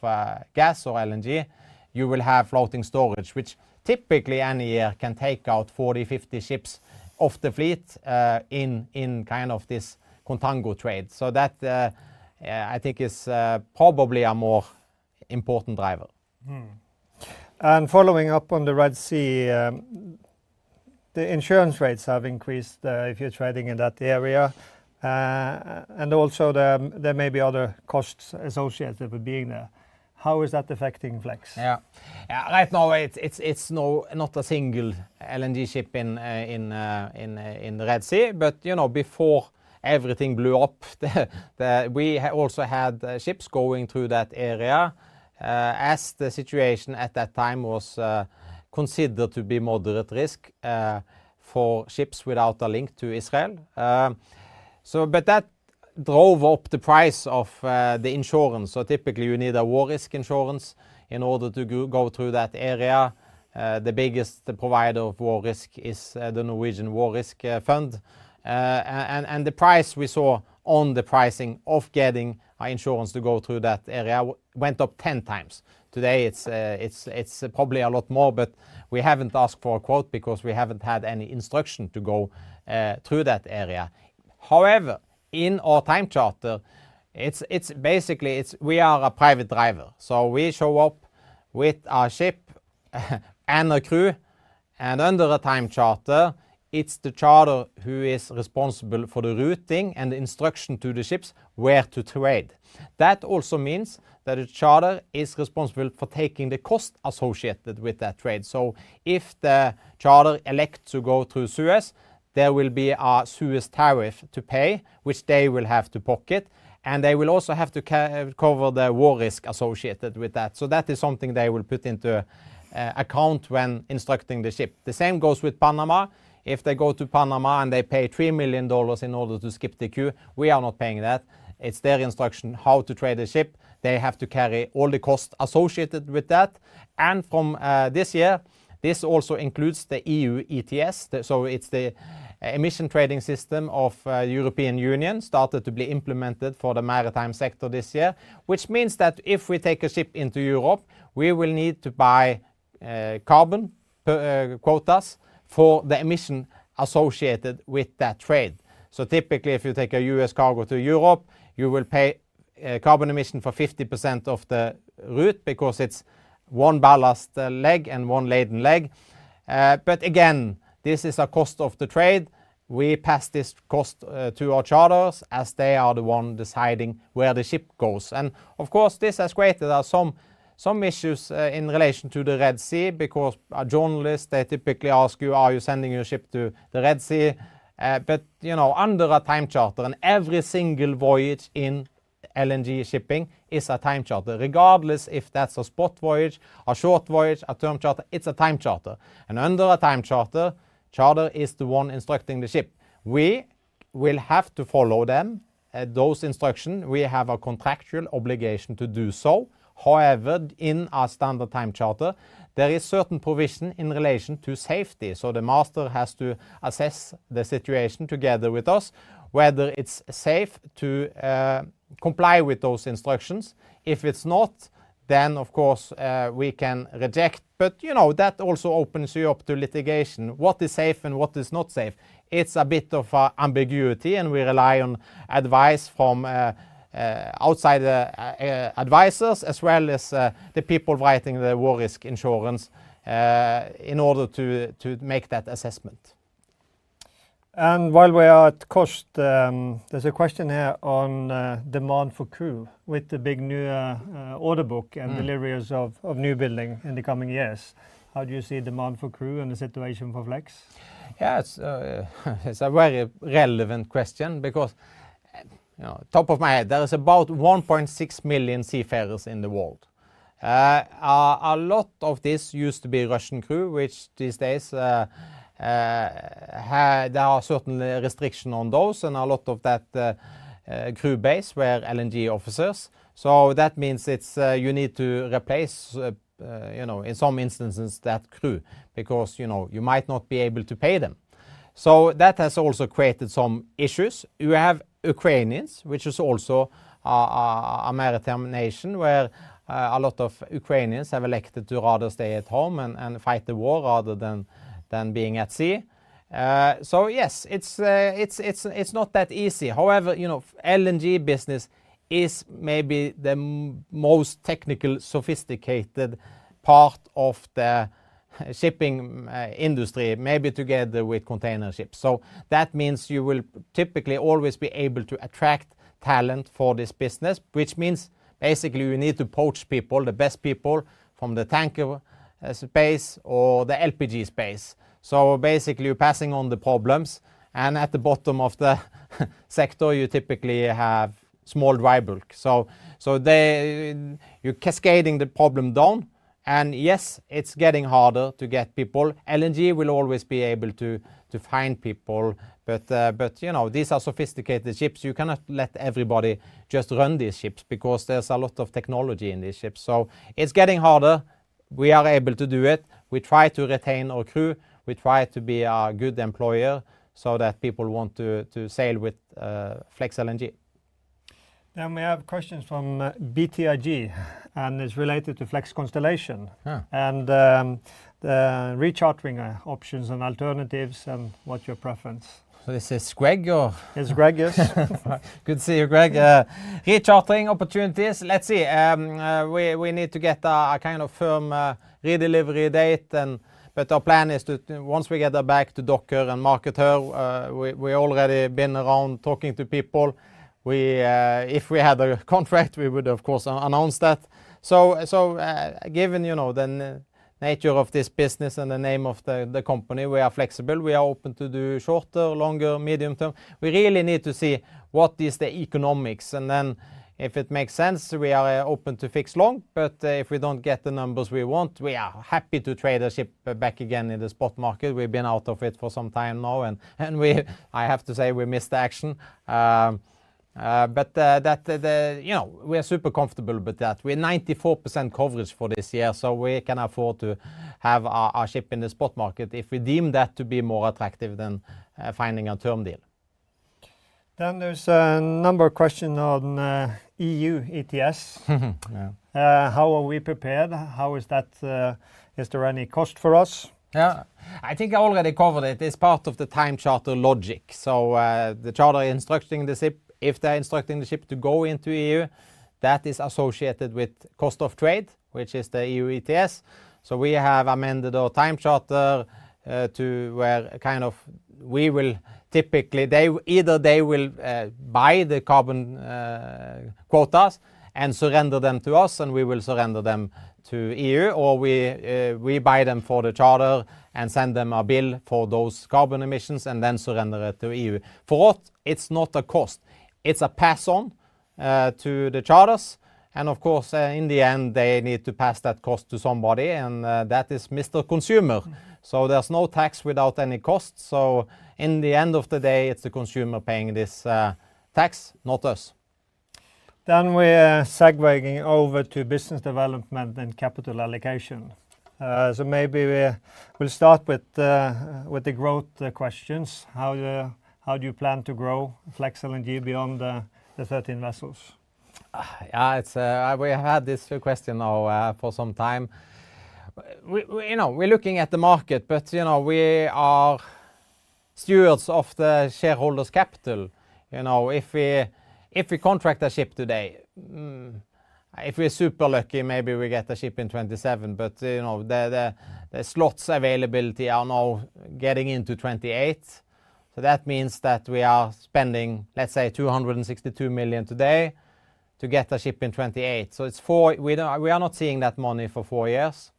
A: gas or LNG, you will have floating storage, which typically any year can take out 40-50 ships off the fleet, in kind of this contango trade. So that, I think is probably a more important driver.
B: Mm-hmm. Following up on the Red Sea, the insurance rates have increased if you're trading in that area, and also there may be other costs associated with being there. How is that affecting Flex?
A: Yeah. Yeah, right now it's not a single LNG ship in the Red Sea. But, you know, before everything blew up, we also had ships going through that area, as the situation at that time was considered to be moderate risk for ships without a link to Israel. So but that drove up the price of the insurance. So typically, you need a war risk insurance in order to go through that area. The biggest provider of war risk is the Norwegian War Risk Fund. And the price we saw on the pricing of getting insurance to go through that area went up ten times. Today, it's probably a lot more, but we haven't asked for a quote because we haven't had any instruction to go through that area. However, in our time charter, it's basically we are a private driver, so we show up with a ship and a crew and under a time charter, it's the charter who is responsible for the routing and the instruction to the ships where to trade. That also means that a charter is responsible for taking the cost associated with that trade. So if the charter elects to go through Suez, there will be a Suez tariff to pay, which they will have to pocket, and they will also have to cover the war risk associated with that. So that is something they will put into account when instructing the ship. The same goes with Panama. If they go to Panama, and they pay $3,000,000 in order to skip the queue, we are not paying that. It's their instruction how to trade the ship. They have to carry all the costs associated with that, and from this year, this also includes the EU ETS. So it's the Emissions Trading System of European Union, started to be implemented for the maritime sector this year, which means that if we take a ship into Europe, we will need to buy carbon quotas for the emission associated with that trade. So typically, if you take a U.S. cargo to Europe, you will pay a carbon emission for 50% of the route because it's one ballast leg and one laden leg. But again, this is a cost of the trade. We pass this cost to our charters, as they are the one deciding where the ship goes. And of course, this has created some issues in relation to the Red Sea, because a journalist, they typically ask you, "Are you sending your ship to the Red Sea?" But, you know, under a time charter, and every single voyage in LNG shipping is a time charter, regardless if that's a spot voyage, a short voyage, a term charter, it's a time charter. And under a time charter, charter is the one instructing the ship. We will have to follow them, those instruction. We have a contractual obligation to do so. However, in our standard time charter, there is certain provision in relation to safety, so the master has to assess the situation together with us, whether it's safe to comply with those instructions. If it's not, then of course, we can reject. But, you know, that also opens you up to litigation. What is safe and what is not safe? It's a bit of ambiguity, and we rely on advice from outside advisors, as well as the people writing the war risk insurance, in order to make that assessment.
B: While we are at cost, there's a question here on demand for crew. With the big new order book-
A: Mm...
B: and deliveries of new buildings in the coming years, how do you see demand for crew and the situation for Flex?
A: Yeah, it's a very relevant question because, you know, top of my head, there is about 1.6 million seafarers in the world. A lot of this used to be Russian crew, which these days, there are certain restriction on those, and a lot of that crew base were LNG officers. So that means it's you need to replace, you know, in some instances, that crew because, you know, you might not be able to pay them. So that has also created some issues. You have Ukrainians, which is also a maritime nation, where a lot of Ukrainians have elected to rather stay at home and fight the war rather than being at sea. So yes, it's not that easy. However, you know, LNG business is maybe the most technical, sophisticated part of the shipping industry, maybe together with container ships. So that means you will typically always be able to attract talent for this business, which means basically we need to poach people, the best people from the tanker space or the LPG space. So basically, you're passing on the problems, and at the bottom of the sector, you typically have small dry bulk. So, you're cascading the problem down, and yes, it's getting harder to get people. LNG will always be able to find people, but, but, you know, these are sophisticated ships. You cannot let everybody just run these ships, because there's a lot of technology in these ships. So it's getting harder. We are able to do it. We try to retain our crew. We try to be a good employer so that people want to sail with FLEX LNG.
B: We have questions from BTIG, and it's related to Flex Constellation-
A: Yeah...
B: and the rechartering options and alternatives and what's your preference?
A: This is Greg or?
B: It's Greg, yes.
A: Good to see you, Greg. Rechartering opportunities, let's see. We need to get a kind of firm redelivery date and... But our plan is to once we get her back to dry dock and market her, we already been around talking to people. We if we had a contract, we would of course announce that. So given, you know, the nature of this business and the name of the company, we are flexible. We are open to do shorter, longer, medium-term. We really need to see what is the economics, and then if it makes sense, we are open to fix long. But if we don't get the numbers we want, we are happy to trade our ship back again in the spot market. We've been out of it for some time now, and I have to say, we missed the action. But you know, we are super comfortable with that. We're 94% coverage for this year, so we can afford to have our ship in the spot market if we deem that to be more attractive than finding a term deal.
B: Then there's a number of questions on EU ETS.
A: Yeah.
B: How are we prepared? How is that? Is there any cost for us?
A: Yeah, I think I already covered it. It's part of the time charter logic. So, the charter instructing the ship, if they're instructing the ship to go into EU, that is associated with cost of trade, which is the EU ETS. So we have amended our time charter, to where, kind of, we will typically, they either they will, buy the carbon quotas and surrender them to us, and we will surrender them to EU, or we, we buy them for the charter and send them a bill for those carbon emissions, and then surrender it to EU. For us, it's not a cost, it's a pass on, to the charters. And of course, in the end, they need to pass that cost to somebody, and, that is Mr. Consumer. So there's no tax without any cost. So in the end of the day, it's the consumer paying this tax, not us.
B: Then we are segueing over to business development and capital allocation. So maybe we, we'll start with the, with the growth questions. How, how do you plan to grow FLEX LNG beyond the 13 vessels?
A: Yeah, it's we had this question now for some time. We, we, you know, we're looking at the market, but, you know, we are stewards of the shareholders' capital. You know, if we, if we contract a ship today, if we're super lucky, maybe we get the ship in 2027. But, you know, the, the, the slots availability are now getting into 2028. So that means that we are spending, let's say, $262,000,000 today to get the ship in 2028. So it's four-- we are, we are not seeing that money for four years.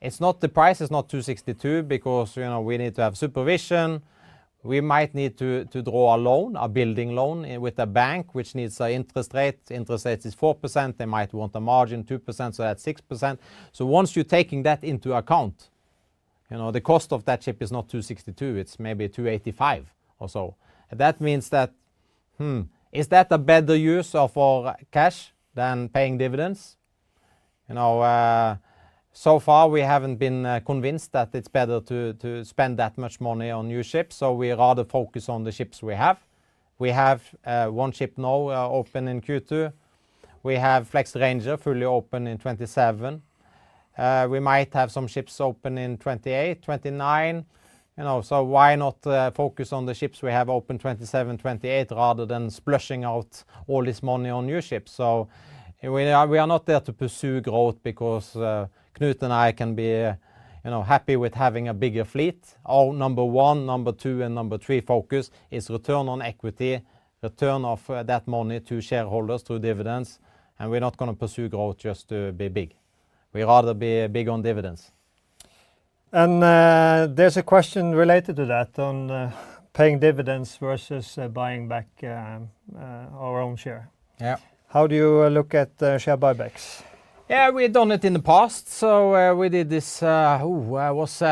A: It's not the price, it's not $262,000,000 because, you know, we need to have supervision. We might need to, to draw a loan, a building loan with a bank, which needs an interest rate. Interest rate is 4%. They might want a margin, 2%, so that's 6%. So once you're taking that into account, you know, the cost of that ship is not $262,000,000, it's maybe $285,000,000 or so. That means that, hmm, is that a better use of our cash than paying dividends? You know, so far we haven't been convinced that it's better to spend that much money on new ships, so we rather focus on the ships we have. We have one ship now open in Q2. We have Flex Ranger fully open in 2027. We might have some ships open in 2028, 2029. You know, so why not focus on the ships we have open in 2027, 2028, rather than splurging out all this money on new ships? So we are, we are not there to pursue growth because Knut and I can be, you know, happy with having a bigger fleet. Our number one, number two, and number three focus is return on equity, return of that money to shareholders through dividends, and we're not gonna pursue growth just to be big. We'd rather be big on dividends.
B: There's a question related to that, on paying dividends versus buying back our own share.
A: Yeah.
B: How do you look at, share buybacks?
A: Yeah, we've done it in the past. So, we did this, was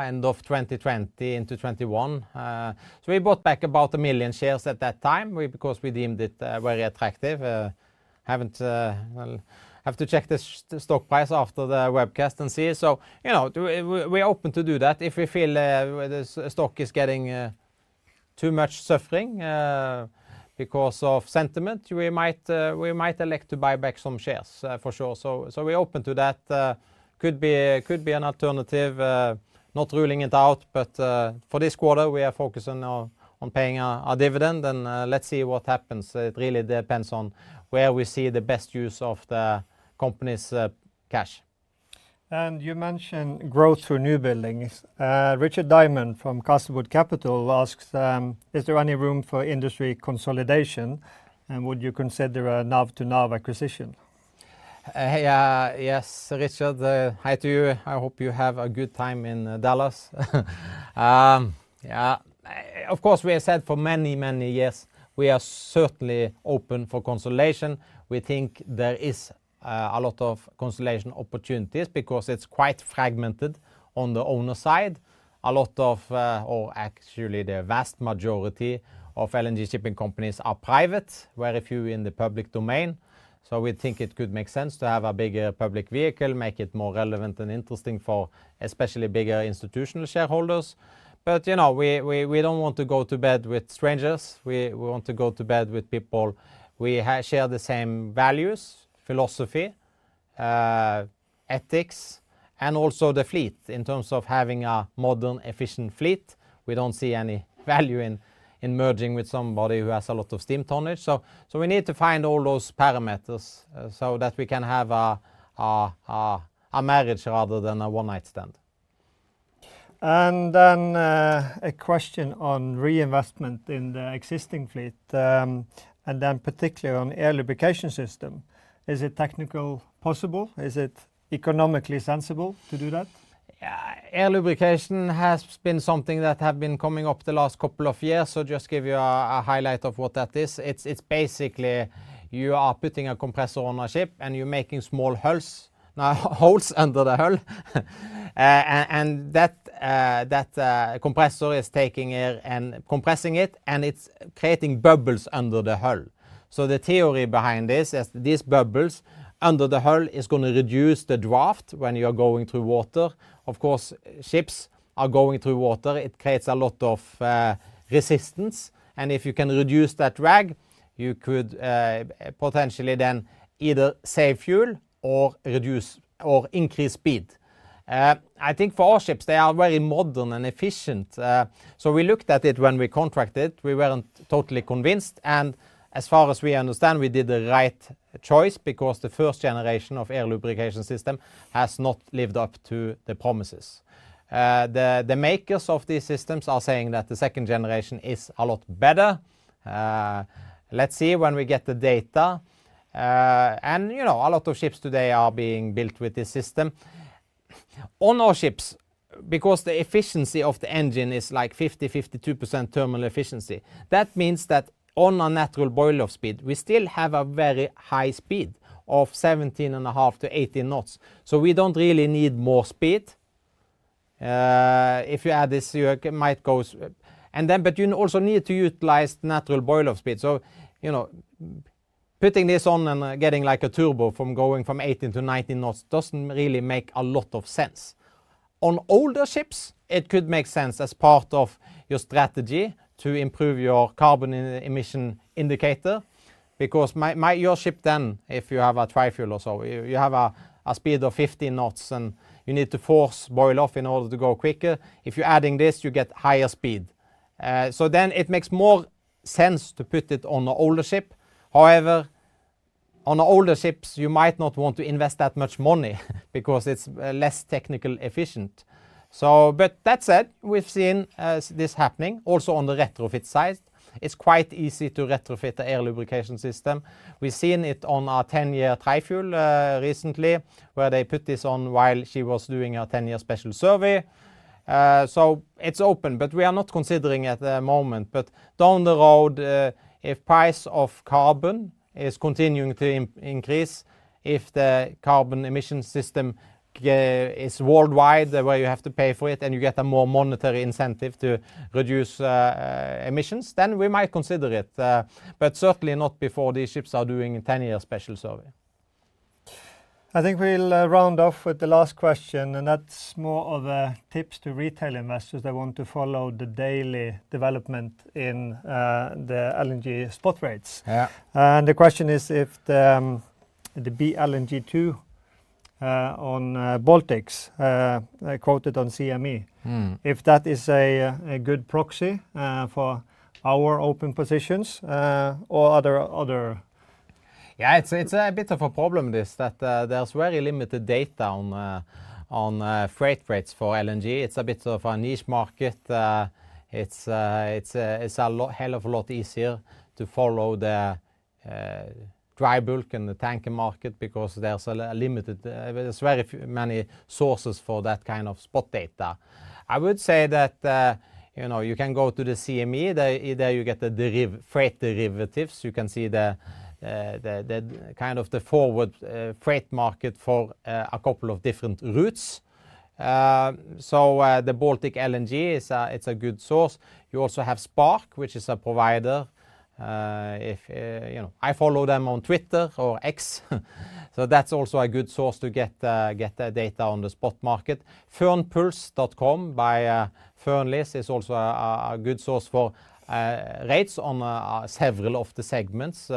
A: end of 2020 into 2021. So we bought back about 1,000,000 shares at that time because we deemed it very attractive. Well, have to check the stock price after the webcast and see. So, you know, we are open to do that. If we feel the stock is getting too much suffering because of sentiment, we might elect to buy back some shares, for sure. So we're open to that. Could be an alternative. Not ruling it out, but for this quarter we are focusing on paying a dividend, and let's see what happens. It really depends on where we see the best use of the company's cash.
B: You mentioned growth through new buildings. Richard Diamond from Castlewood Capital asks: "Is there any room for industry consolidation, and would you consider a NAV-to-NAV acquisition?
A: Hey, yes, Richard, hi to you. I hope you have a good time in Dallas. Yeah, of course, we have said for many, many years, we are certainly open for consolidation. We think there is a lot of consolidation opportunities because it's quite fragmented on the owner side. A lot of, or actually, the vast majority of LNG shipping companies are private, very few in the public domain. So we think it could make sense to have a bigger public vehicle, make it more relevant and interesting for especially bigger institutional shareholders. But, you know, we don't want to go to bed with strangers. We want to go to bed with people we share the same values, philosophy, ethics, and also the fleet, in terms of having a modern, efficient fleet. We don't see any value in merging with somebody who has a lot of steam tonnage. So we need to find all those parameters, so that we can have a marriage rather than a one-night stand.
B: A question on reinvestment in the existing fleet, particularly on air lubrication system. Is it technically possible? Is it economically sensible to do that?
A: Yeah, air lubrication has been something that have been coming up the last couple of years. So just give you a highlight of what that is. It's basically you are putting a compressor on a ship, and you're making small holes, holes under the hull. And that compressor is taking it and compressing it, and it's creating bubbles under the hull. So the theory behind this is, these bubbles under the hull is gonna reduce the draft when you are going through water. Of course, ships are going through water, it creates a lot of resistance, and if you can reduce that drag, you could potentially then either save fuel or reduce or increase speed. I think for our ships, they are very modern and efficient. So we looked at it when we contracted. We weren't totally convinced, and as far as we understand, we did the right choice because the first generation of Air Lubrication System has not lived up to the promises. The makers of these systems are saying that the second generation is a lot better. Let's see when we get the data. And, you know, a lot of ships today are being built with this system. On our ships, because the efficiency of the engine is like 50, 52% thermal efficiency, that means that on our natural boil-off speed, we still have a very high speed of 17.5-18 knots. So we don't really need more speed. If you add this, you might go And then but you also need to utilize natural boil-off speed. So, you know, putting this on and, getting like a turbo from going from 18 to 19 knots doesn't really make a lot of sense. On older ships, it could make sense as part of your strategy to improve your carbon emission indicator, because your ship then, if you have a Tri-fuel or so, you have a speed of 15 knots, and you need to force boil off in order to go quicker. If you're adding this, you get higher speed. So then it makes more sense to put it on an older ship. However, on older ships, you might not want to invest that much money because it's less technical efficient. But that said, we've seen this happening also on the retrofit side. It's quite easy to retrofit the air lubrication system. We've seen it on a 10-year Tri-Fuel, recently, where they put this on while she was doing a 10-year special survey. So it's open, but we are not considering at the moment. But down the road, if price of carbon is continuing to increase, if the carbon emission system is worldwide, where you have to pay for it, and you get a more monetary incentive to reduce emissions, then we might consider it, but certainly not before these ships are doing a 10-year Special Survey.
B: I think we'll round off with the last question, and that's more of a tips to retail investors that want to follow the daily development in the LNG spot rates.
A: Yeah.
B: The question is if the BLNG2 on Baltic quoted on CME-
A: Mm.
B: -if that is a good proxy for our open positions or other, other-
A: Yeah, it's a bit of a problem, this, that, there's very limited data on freight rates for LNG. It's a bit of a niche market. It's a lot--hell of a lot easier to follow the dry bulk and the tanker market because there's a limited, there's very few many sources for that kind of spot data. I would say that, you know, you can go to the CME. There, either you get the freight derivatives. You can see the, the, the kind of the forward freight market for a couple of different routes. So, the Baltic LNG is a good source. You also have Spark, which is a provider. You know, I follow them on Twitter or X so that's also a good source to get the data on the spot market. Fearnpulse.com by Fearnleys is also a good source for rates on several of the segments: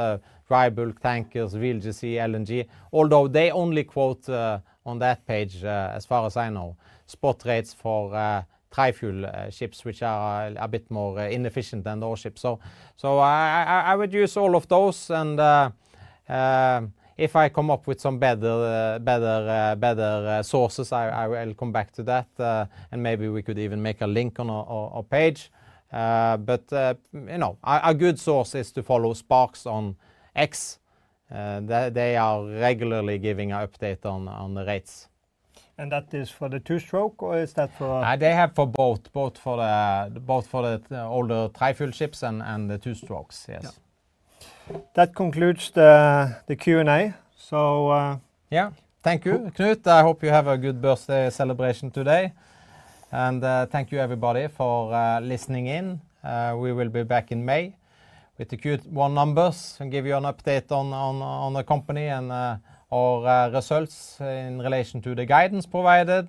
A: dry bulk, tankers, VLGC, LNG. Although they only quote on that page, as far as I know, spot rates for Tri-fuel ships, which are a bit more inefficient than our ships. So I would use all of those, and if I come up with some better sources, I will come back to that and maybe we could even make a link on our page. But you know, a good source is to follow Spark on X. They are regularly giving an update on the rates.
B: That is for the two-stroke, or is that for?
A: They have for both, for the older Tri-fuel ships and the two-strokes, yes.
B: Yeah. That concludes the Q&A. So, Yeah.
A: Thank you, Knut. I hope you have a good birthday celebration today, and thank you, everybody, for listening in. We will be back in May with the Q1 numbers and give you an update on the company and our results in relation to the guidance provided.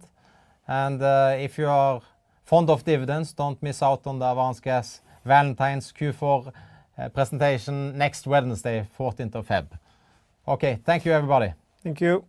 A: And if you are fond of dividends, don't miss out on the Avance Gas Valentine's Q4 presentation next Wednesday, 14th of February. Okay, thank you, everybody.
B: Thank you.